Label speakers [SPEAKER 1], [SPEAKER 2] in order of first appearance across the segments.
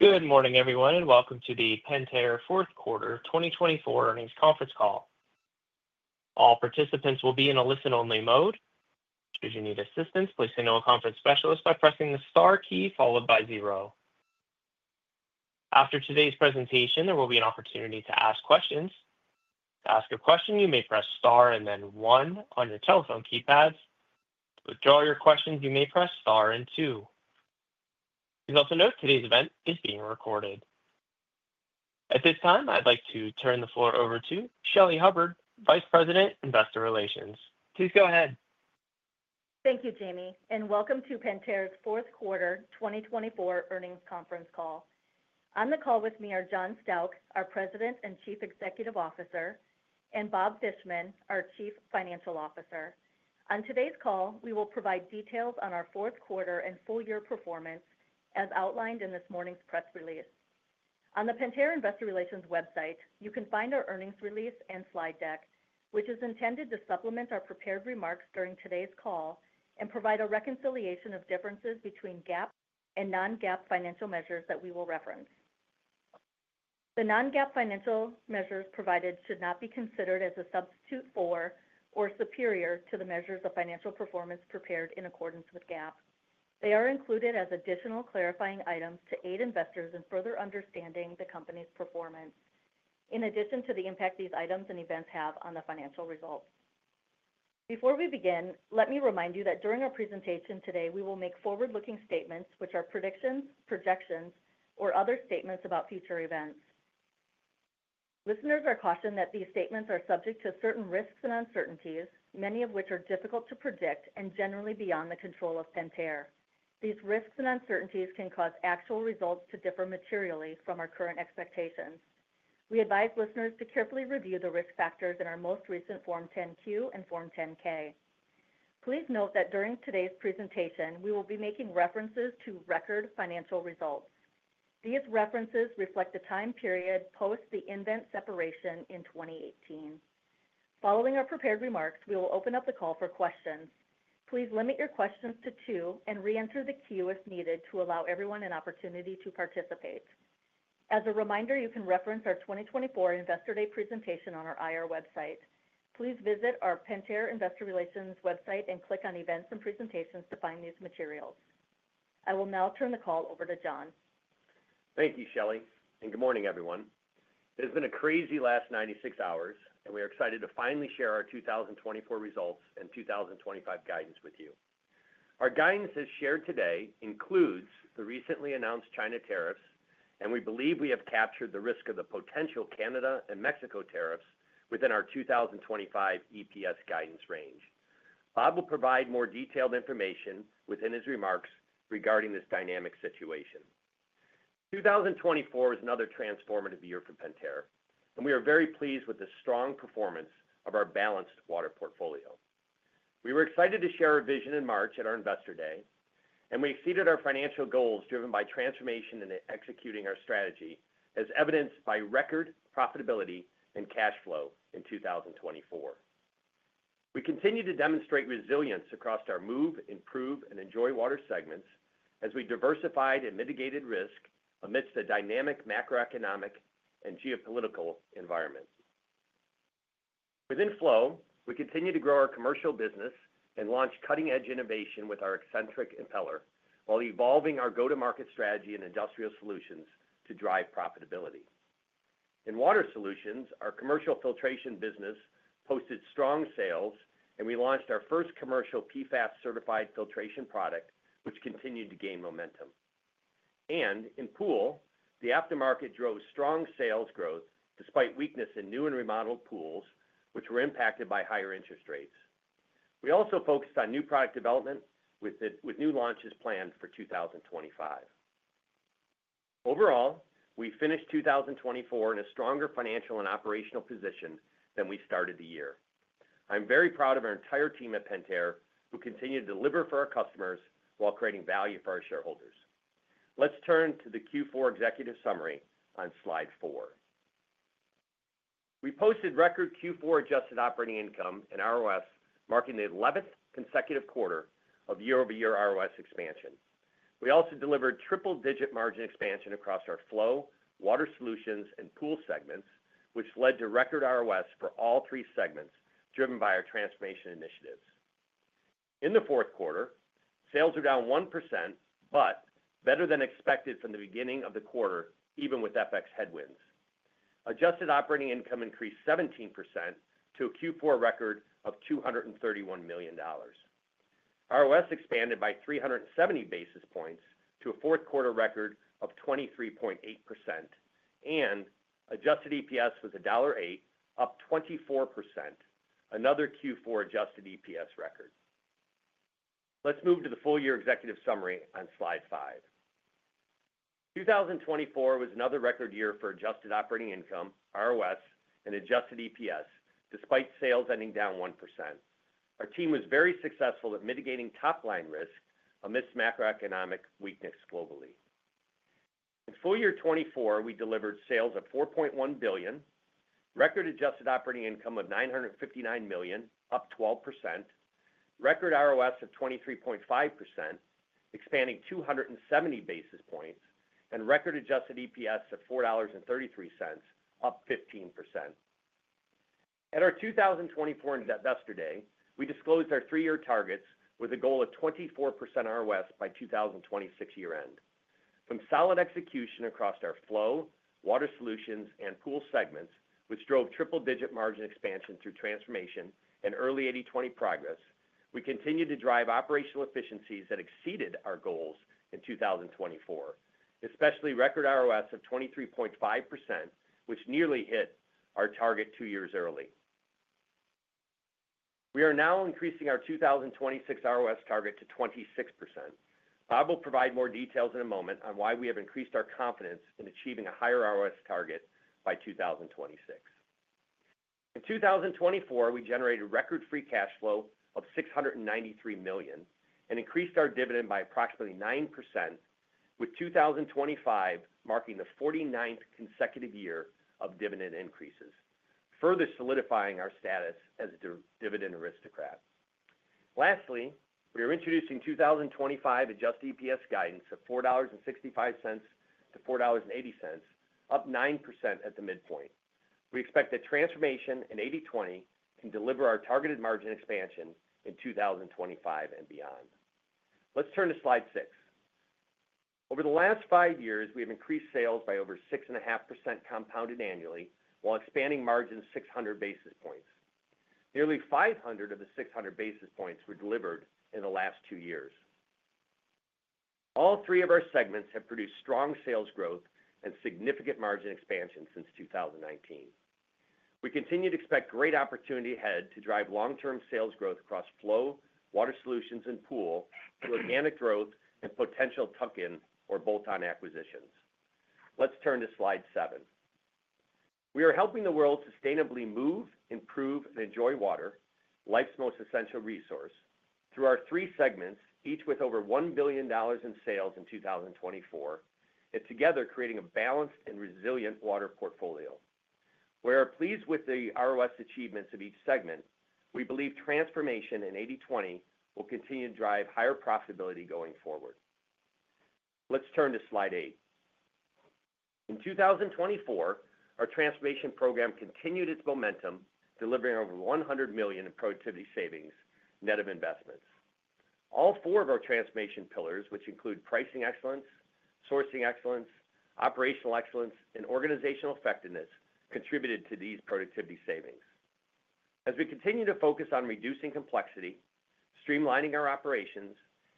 [SPEAKER 1] Good morning, everyone, and welcome to the Pentair fourth quarter 2024 earnings conference call. All participants will be in a listen-only mode. Should you need assistance, please signal a conference specialist by pressing the star key followed by zero. After today's presentation, there will be an opportunity to ask questions. To ask a question, you may press star and then one on your telephone keypad. To withdraw your questions, you may press star and two. Please also note today's event is being recorded. At this time, I'd like to turn the floor over to Shelly Hubbard, Vice President, Investor Relations. Please go ahead.
[SPEAKER 2] Thank you, Jamie, and welcome to Pentair's fourth quarter 2024 earnings conference call. On the call with me are John Stauch, our President and Chief Executive Officer, and Bob Fishman, our Chief Financial Officer. On today's call, we will provide details on our fourth quarter and full-year performance as outlined in this morning's press release. On the Pentair Investor Relations website, you can find our earnings release and slide deck, which is intended to supplement our prepared remarks during today's call and provide a reconciliation of differences between GAAP and non-GAAP financial measures that we will reference. The non-GAAP financial measures provided should not be considered as a substitute for or superior to the measures of financial performance prepared in accordance with GAAP. They are included as additional clarifying items to aid investors in further understanding the company's performance, in addition to the impact these items and events have on the financial results. Before we begin, let me remind you that during our presentation today, we will make forward-looking statements, which are predictions, projections, or other statements about future events. Listeners are cautioned that these statements are subject to certain risks and uncertainties, many of which are difficult to predict and generally beyond the control of Pentair. These risks and uncertainties can cause actual results to differ materially from our current expectations. We advise listeners to carefully review the risk factors in our most recent Form 10-Q and Form 10-K. Please note that during today's presentation, we will be making references to record financial results. These references reflect the time period post the event separation in 2018. Following our prepared remarks, we will open up the call for questions. Please limit your questions to two and re-enter the queue if needed to allow everyone an opportunity to participate. As a reminder, you can reference our 2024 Investor Day presentation on our IR website. Please visit our Pentair Investor Relations website and click on events and presentations to find these materials. I will now turn the call over to John.
[SPEAKER 3] Thank you, Shelly, and good morning, everyone. It has been a crazy last 96 hours, and we are excited to finally share our 2024 results and 2025 guidance with you. Our guidance as shared today includes the recently announced China tariffs, and we believe we have captured the risk of the potential Canada and Mexico tariffs within our 2025 EPS guidance range. Bob will provide more detailed information within his remarks regarding this dynamic situation. 2024 is another transformative year for Pentair, and we are very pleased with the strong performance of our balanced water portfolio. We were excited to share our vision in March at our Investor Day, and we exceeded our financial goals driven by transformation and executing our strategy, as evidenced by record profitability and cash flow in 2024. We continue to demonstrate resilience across our move, improve, and enjoy water segments as we diversified and mitigated risk amidst a dynamic macroeconomic and geopolitical environment. Within Flow, we continue to grow our commercial business and launch cutting-edge innovation with our eccentric impeller while evolving our go-to-market strategy and industrial solutions to drive profitability. In Water Solutions, our commercial filtration business posted strong sales, and we launched our first commercial PFAS-certified filtration product, which continued to gain momentum. And in Pool, the aftermarket drove strong sales growth despite weakness in new and remodeled pools, which were impacted by higher interest rates. We also focused on new product development with new launches planned for 2025. Overall, we finished 2024 in a stronger financial and operational position than we started the year. I'm very proud of our entire team at Pentair, who continue to deliver for our customers while creating value for our shareholders. Let's turn to the Q4 executive summary on slide four. We posted record Q4 adjusted operating income and ROS, marking the 11th consecutive quarter of year-over-year ROS expansion. We also delivered triple-digit margin expansion across our Flow, Water Solutions, and Pool segments, which led to record ROS for all three segments driven by our transformation initiatives. In the fourth quarter, sales are down 1%, but better than expected from the beginning of the quarter, even with FX headwinds. Adjusted operating income increased 17% to a Q4 record of $231 million. ROS expanded by 370 basis points to a fourth quarter record of 23.8%, and adjusted EPS was $1.08, up 24%, another Q4 adjusted EPS record. Let's move to the full-year executive summary on slide five. 2024 was another record year for adjusted operating income, ROS, and adjusted EPS, despite sales ending down 1%. Our team was very successful at mitigating top-line risk amidst macroeconomic weakness globally. In full-year 2024, we delivered sales of $4.1 billion, record adjusted operating income of $959 million, up 12%, record ROS of 23.5%, expanding 270 basis points, and record adjusted EPS of $4.33, up 15%. At our 2024 Investor Day, we disclosed our three-year targets with a goal of 24% ROS by 2026 year-end. From solid execution across our Flow, Water Solutions, and Pool segments, which drove triple-digit margin expansion through transformation and early 80/20 progress, we continued to drive operational efficiencies that exceeded our goals in 2024, especially record ROS of 23.5%, which nearly hit our target two years early. We are now increasing our 2026 ROS target to 26%. Bob will provide more details in a moment on why we have increased our confidence in achieving a higher ROS target by 2026. In 2024, we generated record free cash flow of $693 million and increased our dividend by approximately 9%, with 2025 marking the 49th consecutive year of dividend increases, further solidifying our status as a dividend aristocrat. Lastly, we are introducing 2025 adjusted EPS guidance of $4.65-$4.80, up 9% at the midpoint. We expect that transformation and 80/20 can deliver our targeted margin expansion in 2025 and beyond. Let's turn to slide six. Over the last five years, we have increased sales by over 6.5% compounded annually while expanding margin 600 basis points. Nearly 500 of the 600 basis points were delivered in the last two years. All three of our segments have produced strong sales growth and significant margin expansion since 2019. We continue to expect great opportunity ahead to drive long-term sales growth across Flow, Water Solutions, and Pool through organic growth and potential tuck-in or bolt-on acquisitions. Let's turn to slide seven. We are helping the world sustainably move, improve, and enjoy water, life's most essential resource, through our three segments, each with over $1 billion in sales in 2024, and together creating a balanced and resilient water portfolio. We are pleased with the ROS achievements of each segment. We believe transformation and 80/20 will continue to drive higher profitability going forward. Let's turn to slide eight. In 2024, our transformation program continued its momentum, delivering over $100 million in productivity savings net of investments. All four of our transformation pillars, which include pricing excellence, sourcing excellence, operational excellence, and organizational effectiveness, contributed to these productivity savings. As we continue to focus on reducing complexity, streamlining our operations,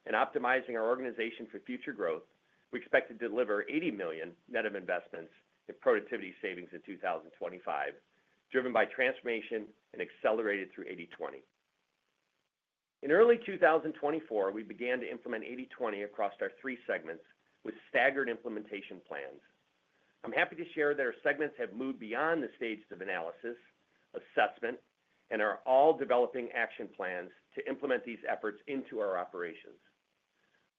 [SPEAKER 3] and optimizing our organization for future growth, we expect to deliver $80 million net of investments in productivity savings in 2025, driven by transformation and accelerated through 80/20. In early 2024, we began to implement 80/20 across our three segments with staggered implementation plans. I'm happy to share that our segments have moved beyond the stages of analysis, assessment, and are all developing action plans to implement these efforts into our operations.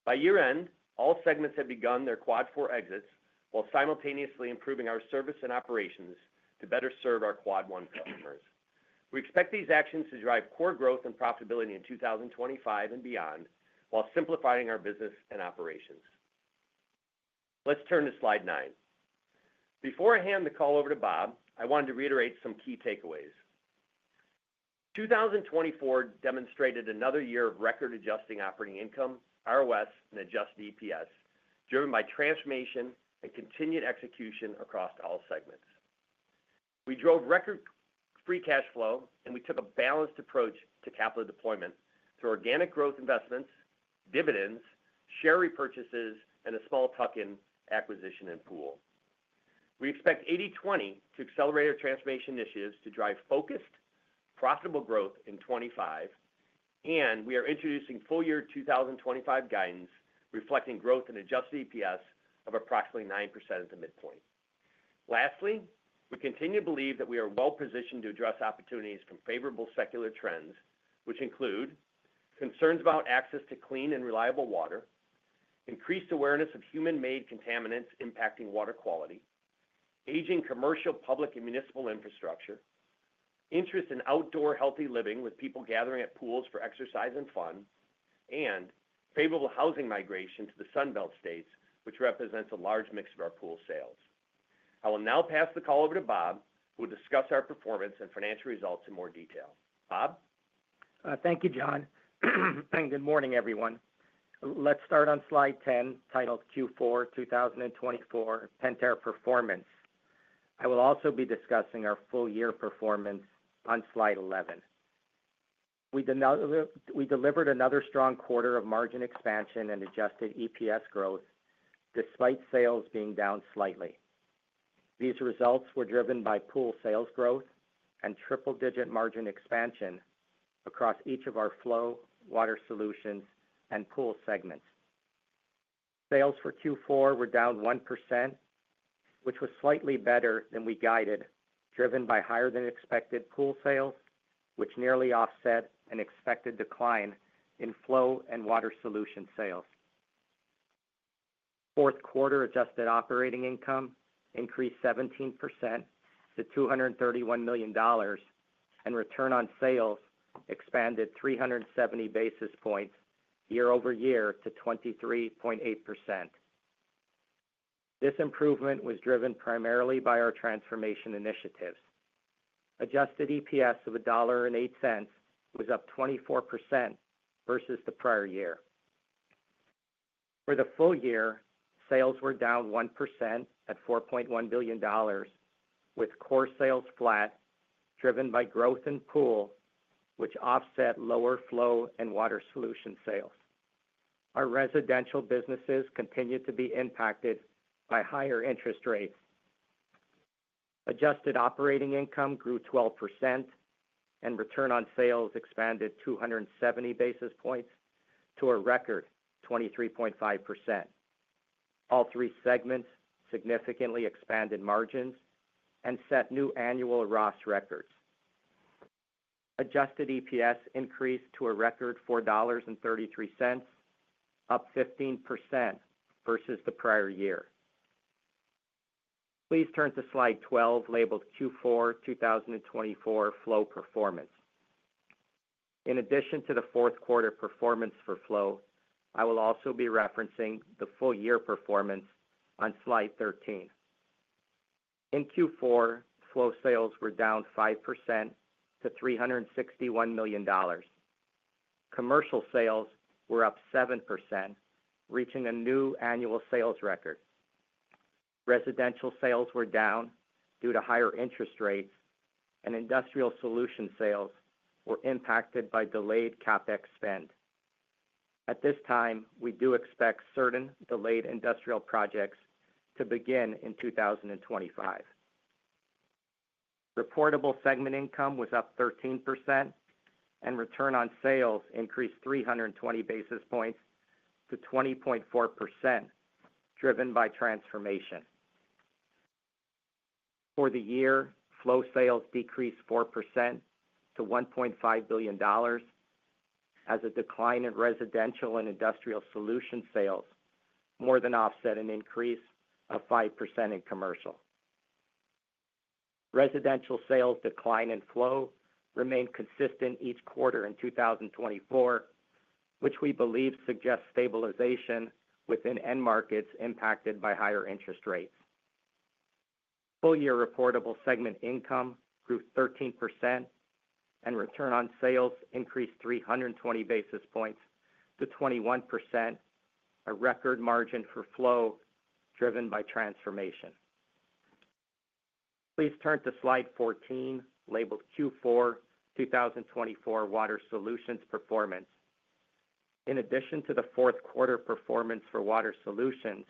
[SPEAKER 3] By year-end, all segments have begun their quad-four exits while simultaneously improving our service and operations to better serve our quad-one customers. We expect these actions to drive core growth and profitability in 2025 and beyond while simplifying our business and operations. Let's turn to slide nine. Before I hand the call over to Bob, I wanted to reiterate some key takeaways. 2024 demonstrated another year of record adjusted operating income, ROS, and adjusted EPS, driven by transformation and continued execution across all segments. We drove record free cash flow, and we took a balanced approach to capital deployment through organic growth investments, dividends, share repurchases, and a small tuck-in acquisition in Pool. We expect 80/20 to accelerate our transformation initiatives to drive focused, profitable growth in 2025, and we are introducing full-year 2025 guidance reflecting growth and adjusted EPS of approximately 9% at the midpoint. Lastly, we continue to believe that we are well-positioned to address opportunities from favorable secular trends, which include concerns about access to clean and reliable water, increased awareness of human-made contaminants impacting water quality, aging commercial, public, and municipal infrastructure, interest in outdoor healthy living with people gathering at pools for exercise and fun, and favorable housing migration to the Sunbelt states, which represents a large mix of our pool sales. I will now pass the call over to Bob, who will discuss our performance and financial results in more detail. Bob?
[SPEAKER 4] Thank you, John, and good morning, everyone. Let's start on slide 10, titled Q4 2024 Pentair performance. I will also be discussing our full-year performance on slide 11. We delivered another strong quarter of margin expansion and adjusted EPS growth despite sales being down slightly. These results were driven by pool sales growth and triple-digit margin expansion across each of our Flow, Water Solutions, and Pool segments. Sales for Q4 were down 1%, which was slightly better than we guided, driven by higher-than-expected pool sales, which nearly offset an expected decline in Flow and Water Solutions sales. Fourth quarter adjusted operating income increased 17% to $231 million, and return on sales expanded 370 basis points year-over-year to 23.8%. This improvement was driven primarily by our transformation initiatives. Adjusted EPS of $1.08 was up 24% versus the prior year. For the full year, sales were down 1% at $4.1 billion, with core sales flat, driven by growth in Pool, which offset lower Flow and Water Solutions sales. Our residential businesses continued to be impacted by higher interest rates. Adjusted operating income grew 12%, and return on sales expanded 270 basis points to a record 23.5%. All three segments significantly expanded margins and set new annual ROS records. Adjusted EPS increased to a record $4.33, up 15% versus the prior year. Please turn to slide 12, labeled Q4 2024 Flow performance. In addition to the fourth quarter performance for Flow, I will also be referencing the full-year performance on slide 13. In Q4, Flow sales were down 5% to $361 million. Commercial sales were up 7%, reaching a new annual sales record. Residential sales were down due to higher interest rates, and industrial solution sales were impacted by delayed CapEx spend. At this time, we do expect certain delayed industrial projects to begin in 2025. Reportable segment income was up 13%, and return on sales increased 320 basis points to 20.4%, driven by transformation. For the year, Flow sales decreased 4% to $1.5 billion, as a decline in residential and industrial solution sales more than offset an increase of 5% in commercial. Residential sales decline in Flow remained consistent each quarter in 2024, which we believe suggests stabilization within end markets impacted by higher interest rates. Full-year reportable segment income grew 13%, and return on sales increased 320 basis points to 21%, a record margin for Flow driven by transformation. Please turn to slide 14, labeled Q4 2024 Water Solutions performance. In addition to the fourth quarter performance for Water Solutions,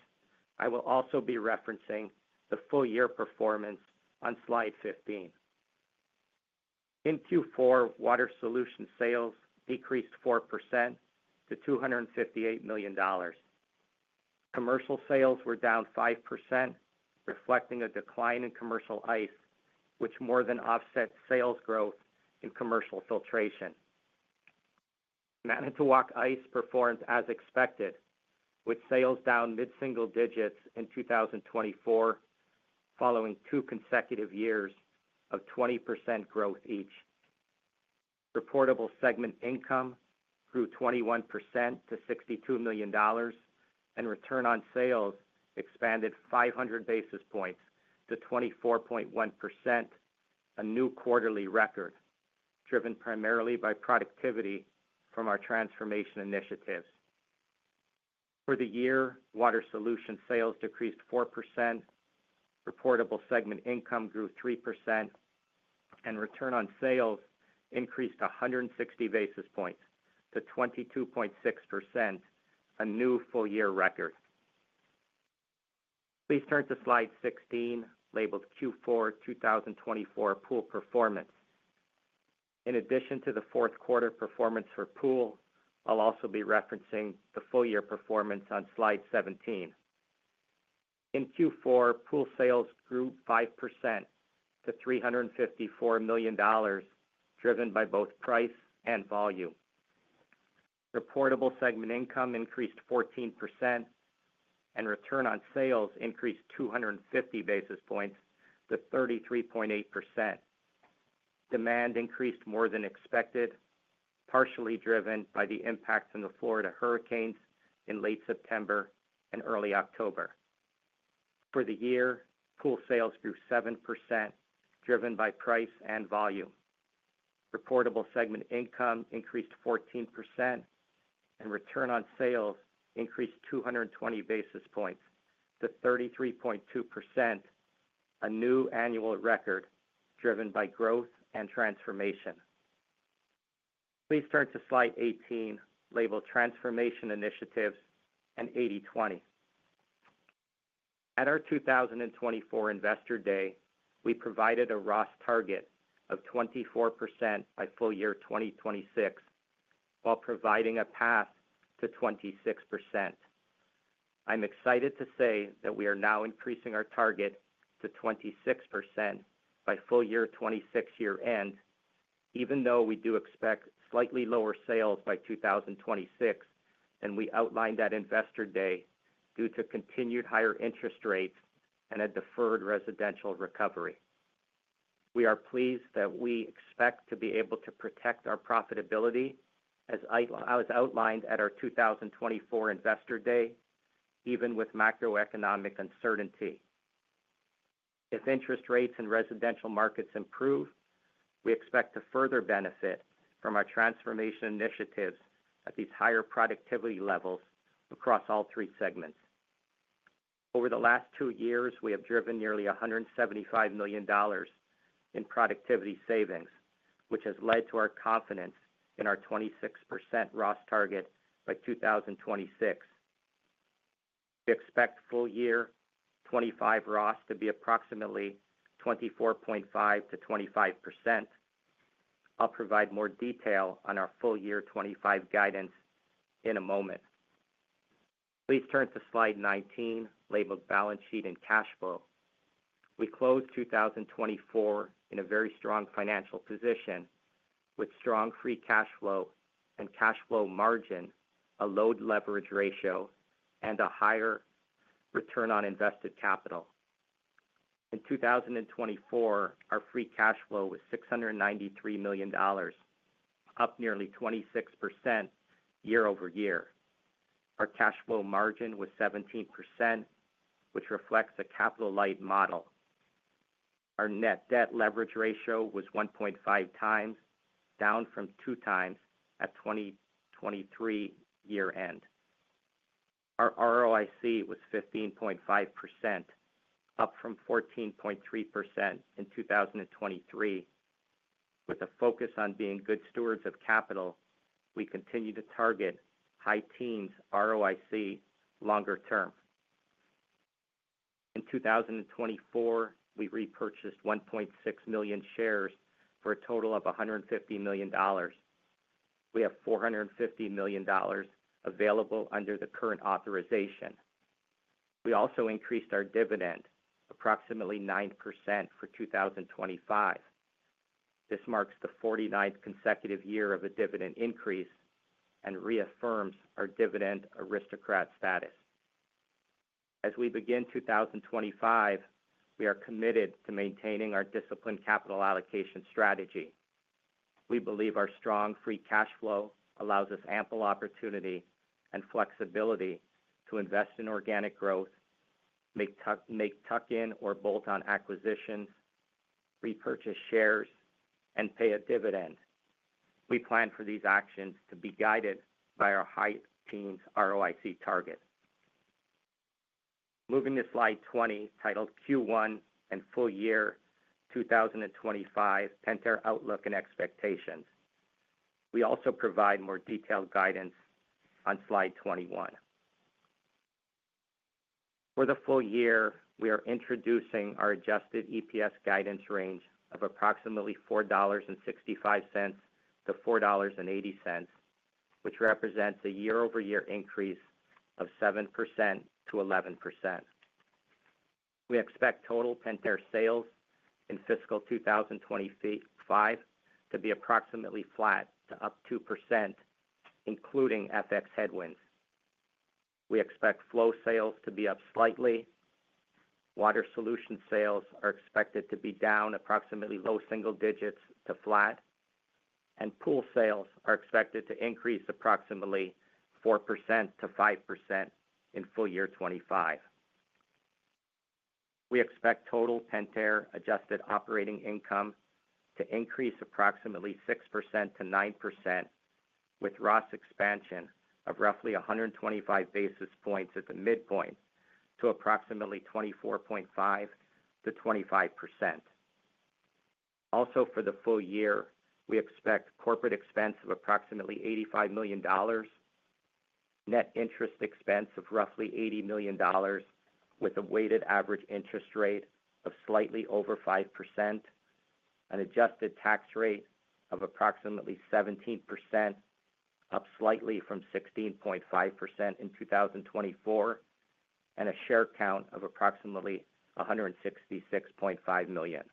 [SPEAKER 4] I will also be referencing the full-year performance on slide 15. In Q4, Water Solutions sales decreased 4% to $258 million. Commercial sales were down 5%, reflecting a decline in commercial ice, which more than offset sales growth in commercial filtration. Manitowoc Ice performed as expected, with sales down mid-single digits in 2024, following two consecutive years of 20% growth each. Reportable segment income grew 21% to $62 million, and return on sales expanded 500 basis points to 24.1%, a new quarterly record, driven primarily by productivity from our transformation initiatives. For the year, Water Solutions sales decreased 4%, reportable segment income grew 3%, and return on sales increased 160 basis points to 22.6%, a new full-year record. Please turn to slide 16, labeled Q4 2024 Pool performance. In addition to the fourth quarter performance for Pool, I'll also be referencing the full-year performance on slide 17. In Q4, Pool sales grew 5% to $354 million, driven by both price and volume. Reportable segment income increased 14%, and return on sales increased 250 basis points to 33.8%. Demand increased more than expected, partially driven by the impact from the Florida hurricanes in late September and early October. For the year, Pool sales grew 7%, driven by price and volume. Reportable segment income increased 14%, and return on sales increased 220 basis points to 33.2%, a new annual record, driven by growth and transformation. Please turn to slide 18, labeled Transformation Initiatives and 80/20. At our 2024 Investor Day, we provided a ROS target of 24% by full year 2026, while providing a path to 26%. I'm excited to say that we are now increasing our target to 26% by full-year 2026 year-end, even though we do expect slightly lower sales by 2026, and we outlined that Investor Day due to continued higher interest rates and a deferred residential recovery. We are pleased that we expect to be able to protect our profitability, as outlined at our 2024 Investor Day, even with macroeconomic uncertainty. If interest rates and residential markets improve, we expect to further benefit from our transformation initiatives at these higher productivity levels across all three segments. Over the last two years, we have driven nearly $175 million in productivity savings, which has led to our confidence in our 26% ROS target by 2026. We expect full-year 2025 ROS to be approximately 24.5%-25%. I'll provide more detail on our full-year 2025 guidance in a moment. Please turn to slide 19, labeled Balance Sheet and Cash Flow. We closed 2024 in a very strong financial position, with strong free cash flow and cash flow margin, a low leverage ratio, and a higher return on invested capital. In 2024, our free cash flow was $693 million, up nearly 26% year-over-year. Our cash flow margin was 17%, which reflects a capital light model. Our net debt leverage ratio was 1.5 times, down from 2 times at 2023 year-end. Our ROIC was 15.5%, up from 14.3% in 2023. With a focus on being good stewards of capital, we continue to target high-teens ROIC longer term. In 2024, we repurchased 1.6 million shares for a total of $150 million. We have $450 million available under the current authorization. We also increased our dividend approximately 9% for 2025. This marks the 49th consecutive year of a dividend increase and reaffirms our Dividend Aristocrat status. As we begin 2025, we are committed to maintaining our disciplined capital allocation strategy. We believe our strong free cash flow allows us ample opportunity and flexibility to invest in organic growth, make tuck-in or bolt-on acquisitions, repurchase shares, and pay a dividend. We plan for these actions to be guided by our high teens ROIC target. Moving to slide 20, titled Q1 and Full-Year 2025 Pentair Outlook and Expectations. We also provide more detailed guidance on slide 21. For the full year, we are introducing our adjusted EPS guidance range of approximately $4.65-$4.80, which represents a year-over-year increase of 7%-11%. We expect total Pentair sales in fiscal 2025 to be approximately flat to up 2%, including FX headwinds. We expect Flow sales to be up slightly. Water Solutions sales are expected to be down approximately low single digits to flat, and Pool sales are expected to increase approximately 4%-5% in full year 2025. We expect total Pentair adjusted operating income to increase approximately 6%-9%, with ROS expansion of roughly 125 basis points at the midpoint to approximately 24.5%-25%. Also, for the full year, we expect corporate expense of approximately $85 million, net interest expense of roughly $80 million, with a weighted average interest rate of slightly over 5%, an adjusted tax rate of approximately 17%, up slightly from 16.5% in 2024, and a share count of approximately 166.5 million.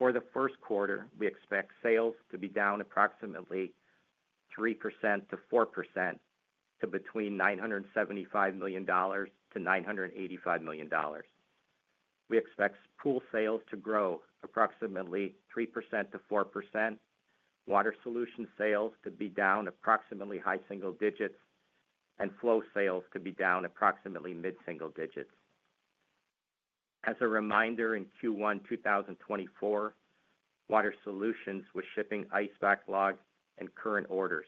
[SPEAKER 4] For the first quarter, we expect sales to be down approximately 3%-4% to between $975 million to $985 million. We expect Pool sales to grow approximately 3%-4%, Water Solutions sales to be down approximately high single digits, and Flow sales to be down approximately mid-single digits. As a reminder, in Q1 2024, Water Solutions was shipping ice backlog and current orders.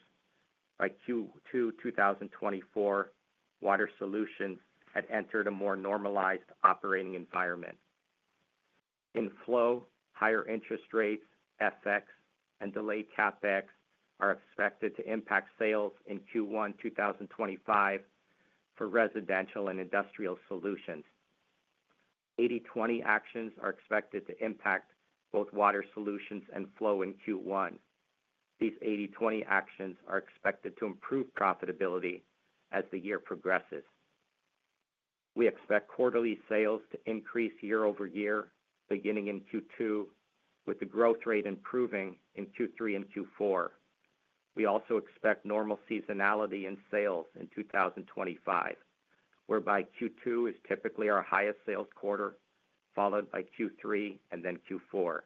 [SPEAKER 4] By Q2 2024, Water Solutions had entered a more normalized operating environment. In Flow, higher interest rates, FX, and delayed CapEx are expected to impact sales in Q1 2025 for residential and industrial solutions. 80/20 actions are expected to impact both Water Solutions and Flow in Q1. These 80/20 actions are expected to improve profitability as the year progresses. We expect quarterly sales to increase year-over-year, beginning in Q2, with the growth rate improving in Q3 and Q4. We also expect normal seasonality in sales in 2025, whereby Q2 is typically our highest sales quarter, followed by Q3 and then Q4.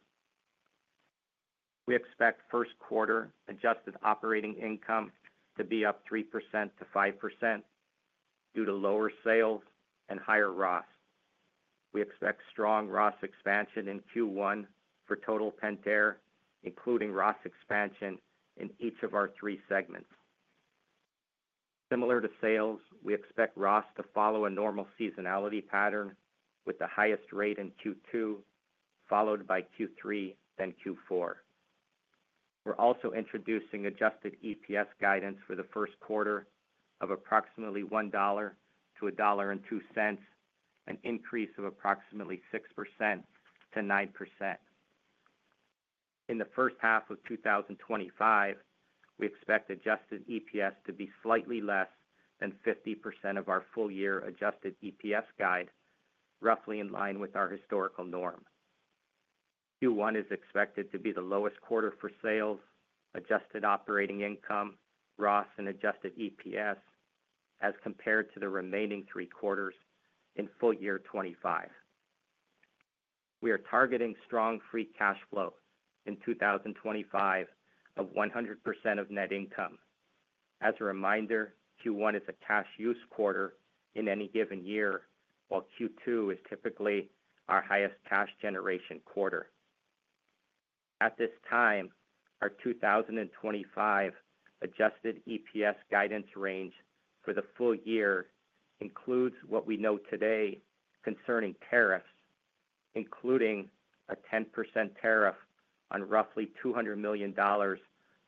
[SPEAKER 4] We expect first quarter adjusted operating income to be up 3%-5% due to lower sales and higher ROS. We expect strong ROS expansion in Q1 for total Pentair, including ROS expansion in each of our three segments. Similar to sales, we expect ROS to follow a normal seasonality pattern, with the highest rate in Q2, followed by Q3, then Q4. We're also introducing adjusted EPS guidance for the first quarter of approximately $1.00-$1.02, an increase of approximately 6%-9%. In the first half of 2025, we expect adjusted EPS to be slightly less than 50% of our full-year adjusted EPS guide, roughly in line with our historical norm. Q1 is expected to be the lowest quarter for sales, adjusted operating income, ROS, and adjusted EPS, as compared to the remaining three quarters in full year 2025. We are targeting strong free cash flow in 2025 of 100% of net income. As a reminder, Q1 is a cash use quarter in any given year, while Q2 is typically our highest cash generation quarter. At this time, our 2025 adjusted EPS guidance range for the full year includes what we know today concerning tariffs, including a 10% tariff on roughly $200 million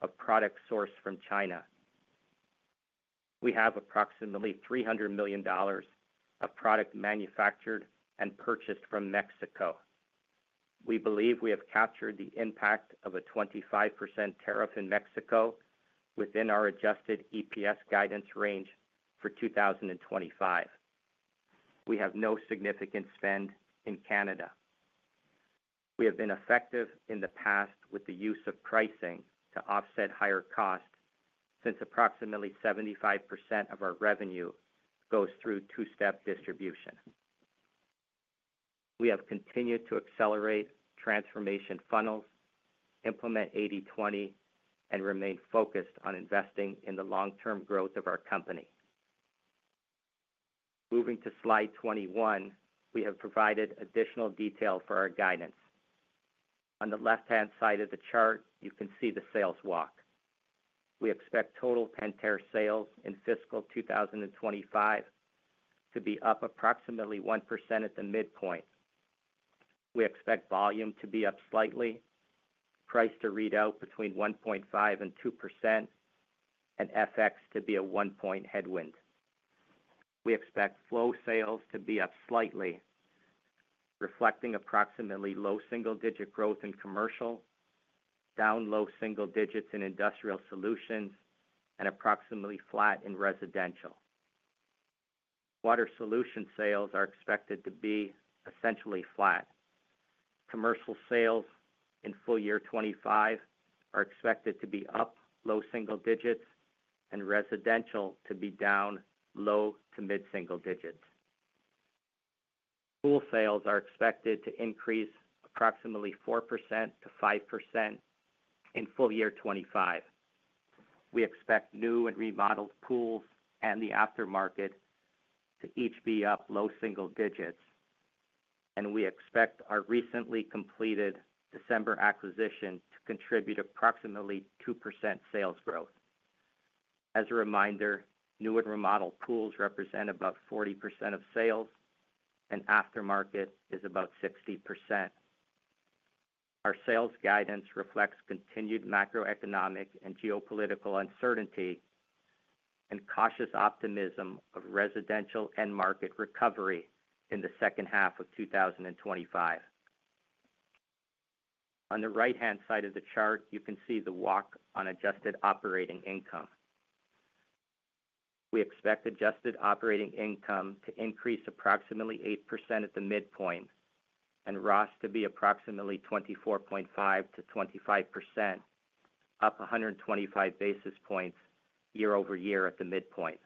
[SPEAKER 4] of product sourced from China. We have approximately $300 million of product manufactured and purchased from Mexico. We believe we have captured the impact of a 25% tariff in Mexico within our adjusted EPS guidance range for 2025. We have no significant spend in Canada. We have been effective in the past with the use of pricing to offset higher costs since approximately 75% of our revenue goes through two-step distribution. We have continued to accelerate transformation funnels, implement 80/20, and remain focused on investing in the long-term growth of our company. Moving to slide 21, we have provided additional detail for our guidance. On the left-hand side of the chart, you can see the sales walk. We expect total Pentair sales in fiscal 2025 to be up approximately 1% at the midpoint. We expect volume to be up slightly, price to read out between 1.5%-2%, and FX to be a one-point headwind. We expect Flow sales to be up slightly, reflecting approximately low single-digit growth in commercial, down low single digits in industrial solutions, and approximately flat in residential. Water Solutions sales are expected to be essentially flat. Commercial sales in full year 2025 are expected to be up low single digits, and residential to be down low to mid-single digits. Pool sales are expected to increase approximately 4%-5% in full year 2025. We expect new and remodeled pools and the aftermarket to each be up low single digits, and we expect our recently completed December acquisition to contribute approximately 2% sales growth. As a reminder, new and remodeled pools represent about 40% of sales, and aftermarket is about 60%. Our sales guidance reflects continued macroeconomic and geopolitical uncertainty and cautious optimism of residential and market recovery in the second half of 2025. On the right-hand side of the chart, you can see the walk on adjusted operating income. We expect adjusted operating income to increase approximately 8% at the midpoint and ROS to be approximately 24.5%-25%, up 125 basis points year-over-year at the midpoint.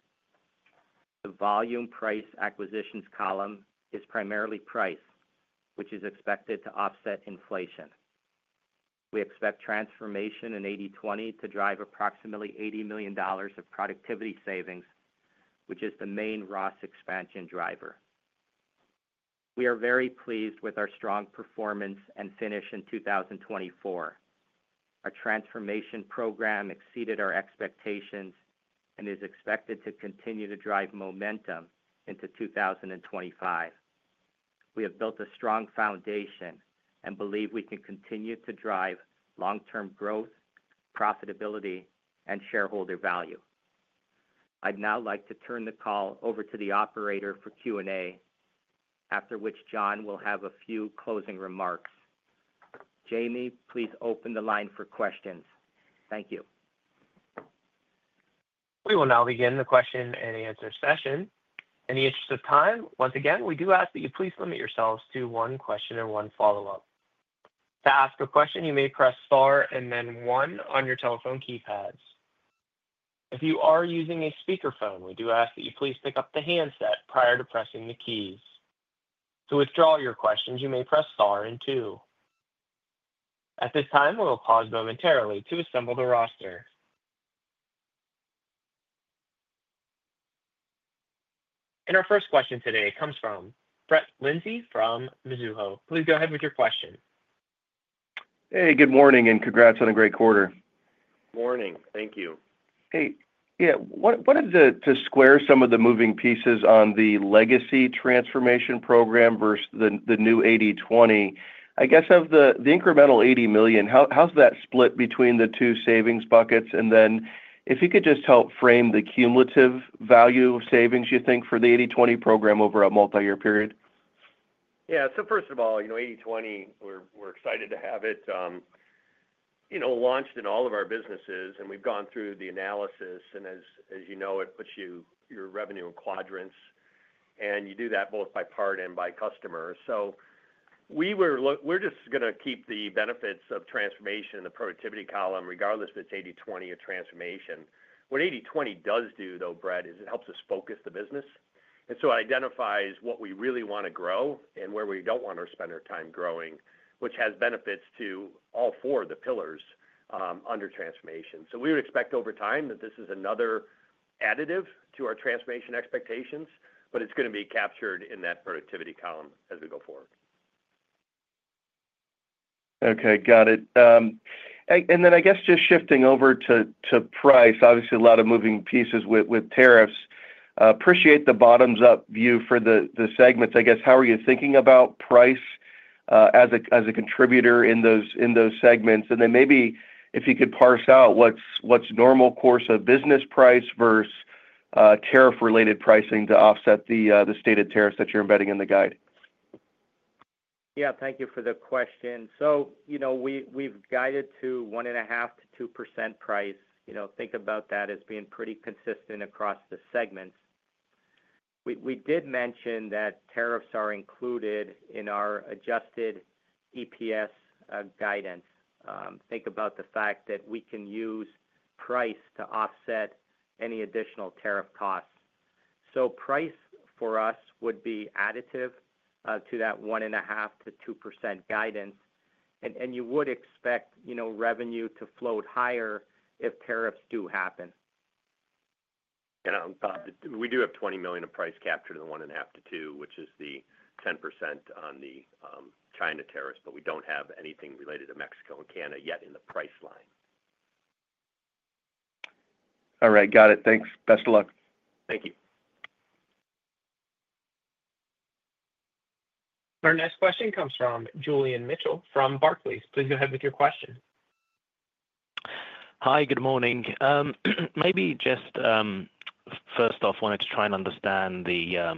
[SPEAKER 4] The volume price acquisitions column is primarily price, which is expected to offset inflation. We expect transformation in 80/20 to drive approximately $80 million of productivity savings, which is the main ROS expansion driver. We are very pleased with our strong performance and finish in 2024. Our transformation program exceeded our expectations and is expected to continue to drive momentum into 2025. We have built a strong foundation and believe we can continue to drive long-term growth, profitability, and shareholder value. I'd now like to turn the call over to the operator for Q&A, after which John will have a few closing remarks. Jamie, please open the line for questions. Thank you.
[SPEAKER 1] We will now begin the question and answer session. In the interest of time, once again, we do ask that you please limit yourselves to one question and one follow-up. To ask a question, you may press Star and then One on your telephone keypads. If you are using a speakerphone, we do ask that you please pick up the handset prior to pressing the keys. To withdraw your questions, you may press Star and Two. At this time, we will pause momentarily to assemble the roster. And our first question today comes from Brett Linzey from Mizuho. Please go ahead with your question.
[SPEAKER 5] Hey, good morning and congrats on a great quarter. Morning. Thank you. Hey, yeah, what is the - to square some of the moving pieces on the legacy transformation program versus the new 80/20, I guess of the incremental $80 million, how's that split between the two savings buckets? And then if you could just help frame the cumulative value of savings, you think, for the 80/20 program over a multi-year period?
[SPEAKER 4] Yeah. So first of all, 80/20, we're excited to have it launched in all of our businesses, and we've gone through the analysis, and as you know, it puts your revenue in quadrants, and you do that both by part and by customer. So we're just going to keep the benefits of transformation in the productivity column regardless if it's 80/20 or transformation. What 80/20 does do, though, Brett, is it helps us focus the business. And so it identifies what we really want to grow and where we don't want to spend our time growing, which has benefits to all four of the pillars under transformation. So we would expect over time that this is another additive to our transformation expectations, but it's going to be captured in that productivity column as we go forward. Okay. Got it.
[SPEAKER 5] And then I guess just shifting over to price, obviously a lot of moving pieces with tariffs. I appreciate the bottoms-up view for the segments. I guess, how are you thinking about price as a contributor in those segments? And then maybe if you could parse out what's normal course of business price versus tariff-related pricing to offset the stated tariffs that you're embedding in the guide.
[SPEAKER 4] Yeah. Thank you for the question. So we've guided to 1.5%-2% price. Think about that as being pretty consistent across the segments. We did mention that tariffs are included in our Adjusted EPS guidance. Think about the fact that we can use price to offset any additional tariff costs. So price for us would be additive to that 1.5%-2% guidance, and you would expect revenue to float higher if tariffs do happen. Yeah. We do have $20 million of price capture to the $1.5 million-$2 million, which is the 10% on the China tariffs, but we don't have anything related to Mexico and Canada yet in the price line.
[SPEAKER 5] All right. Got it. Thanks. Best of luck.
[SPEAKER 1] Thank you. Our next question comes from Julian Mitchell from Barclays. Please go ahead with your question.
[SPEAKER 6] Hi. Good morning. Maybe just first off, wanted to try and understand the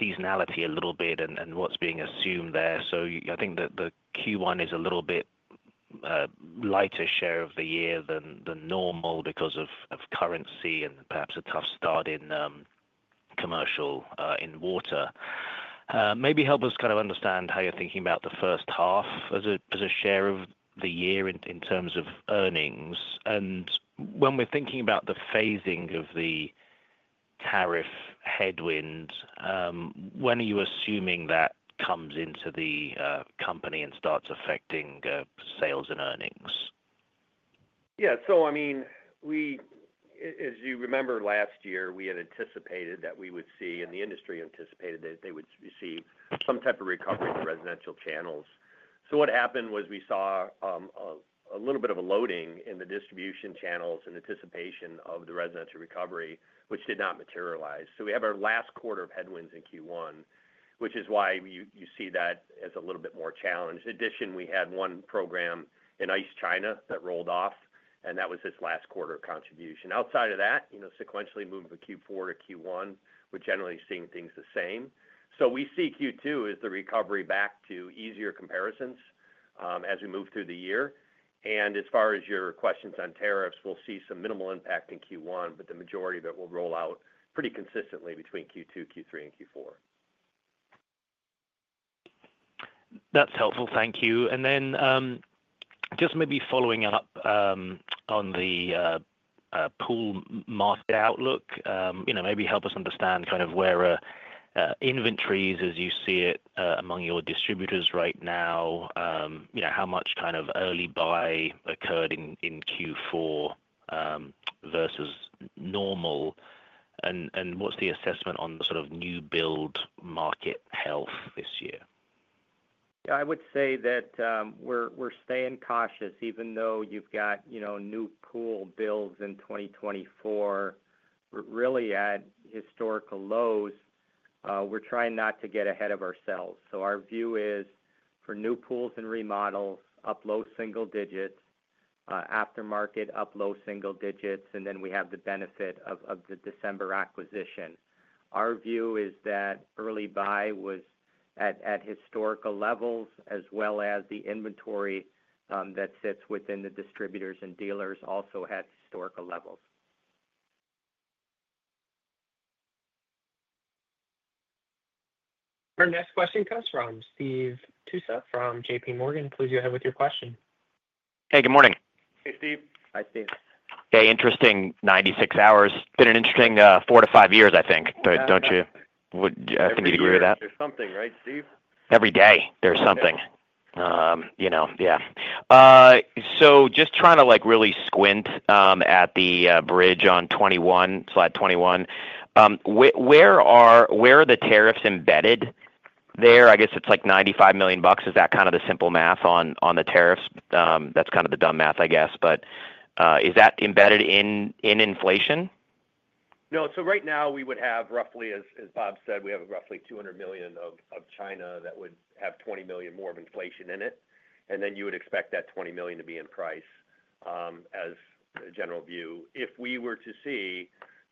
[SPEAKER 6] seasonality a little bit and what's being assumed there. So I think that Q1 is a little bit lighter share of the year than normal because of currency and perhaps a tough start in commercial in water. Maybe help us kind of understand how you're thinking about the first half as a share of the year in terms of earnings.
[SPEAKER 4] When we're thinking about the phasing of the tariff headwinds, when are you assuming that comes into the company and starts affecting sales and earnings? Yeah. So I mean, as you remember, last year, we had anticipated that we would see, and the industry anticipated that they would receive some type of recovery in the residential channels. So what happened was we saw a little bit of a loading in the distribution channels in anticipation of the residential recovery, which did not materialize. So we have our last quarter of headwinds in Q1, which is why you see that as a little bit more challenged. In addition, we had one program in ice China that rolled off, and that was this last quarter contribution. Outside of that, sequentially moving from Q4 to Q1, we're generally seeing things the same. So we see Q2 as the recovery back to easier comparisons as we move through the year. And as far as your questions on tariffs, we'll see some minimal impact in Q1, but the majority of it will roll out pretty consistently between Q2, Q3, and Q4. That's helpful. Thank you. And then just maybe following up on the pool market outlook, maybe help us understand kind of where inventories as you see it among your distributors right now, how much kind of early buy occurred in Q4 versus normal, and what's the assessment on the sort of new build market health this year? Yeah. I would say that we're staying cautious even though you've got new pool builds in 2024 really at historical lows. We're trying not to get ahead of ourselves. Our view is for new pools and remodels, up low single digits, aftermarket up low single digits, and then we have the benefit of the December acquisition. Our view is that early buy was at historical levels as well as the inventory that sits within the distributors and dealers also had historical levels. Our next question comes from Steve Tusa from J.P. Morgan. Please go ahead with your question.
[SPEAKER 7] Hey, good morning.
[SPEAKER 3] Hey, Steve. Hi, Steve.
[SPEAKER 7] Hey, interesting. 96 hours. It's been an interesting four to five years, I think, don't you? I think you'd agree with that. Every day there's something, right, Steve? Every day there's something. Yeah. So just trying to really squint at the bridge on slide 21. Where are the tariffs embedded there? I guess it's like $95 million. Is that kind of the simple math on the tariffs?
[SPEAKER 4] That's kind of the dumb math, I guess. But is that embedded in inflation? No. So right now, we would have roughly, as Bob said, we have roughly $200 million of China that would have $20 million more of inflation in it. And then you would expect that $20 million to be in price as a general view. If we were to see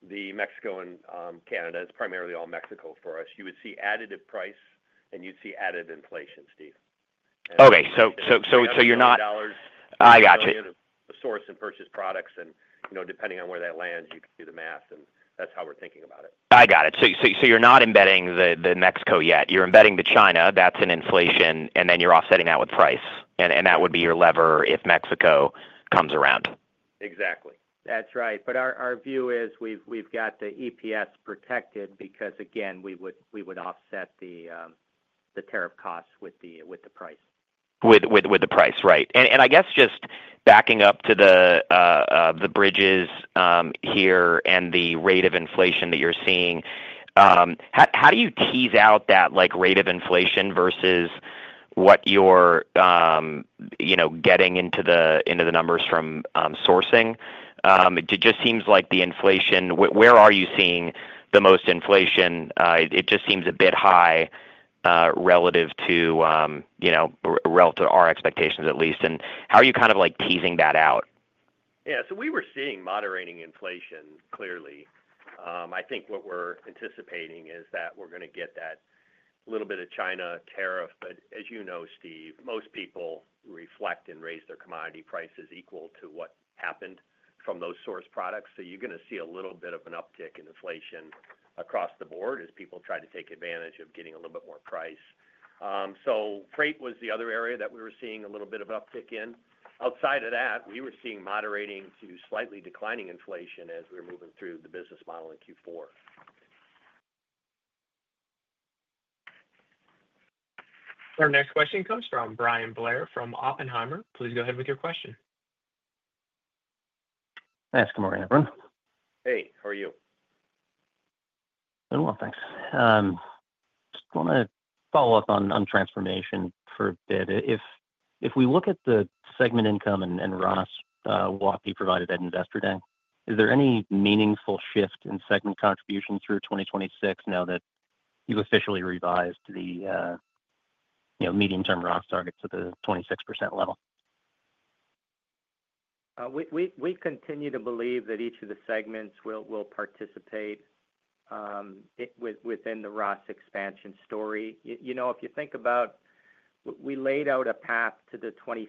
[SPEAKER 4] the Mexico and Canada, it's primarily all Mexico for us, you would see additive price and you'd see added inflation, Steve. Okay. So you're not. I gotcha. Sourcing and purchasing products. And depending on where that lands, you could do the math, and that's how we're thinking about it. I got it. So you're not embedding the Mexico yet. You're embedding the China. That's in inflation, and then you're offsetting that with price. And that would be your lever if Mexico comes around. Exactly. That's right. But our view is we've got the EPS protected because, again, we would offset the tariff costs with the price. With the price, right. And I guess just backing up to the bridges here and the rate of inflation that you're seeing, how do you tease out that rate of inflation versus what you're getting into the numbers from sourcing? It just seems like the inflation - where are you seeing the most inflation? It just seems a bit high relative to our expectations, at least. And how are you kind of teasing that out? Yeah. So we were seeing moderating inflation clearly. I think what we're anticipating is that we're going to get that little bit of China tariff. But as you know, Steve, most people reflect and raise their commodity prices equal to what happened from those source products. So you're going to see a little bit of an uptick in inflation across the board as people try to take advantage of getting a little bit more price. So freight was the other area that we were seeing a little bit of uptick in. Outside of that, we were seeing moderating to slightly declining inflation as we were moving through the business model in Q4. Our next question comes from Bryan Blair from Oppenheimer. Please go ahead with your question. Hey, how are you? Doing well, thanks. Just want to follow up on transformation for a bit. If we look at the segment income and ROS, what you provided that investor day, is there any meaningful shift in segment contributions through 2026 now that you've officially revised the medium-term ROS target to the 26% level? We continue to believe that each of the segments will participate within the ROS expansion story. If you think about we laid out a path to the 26%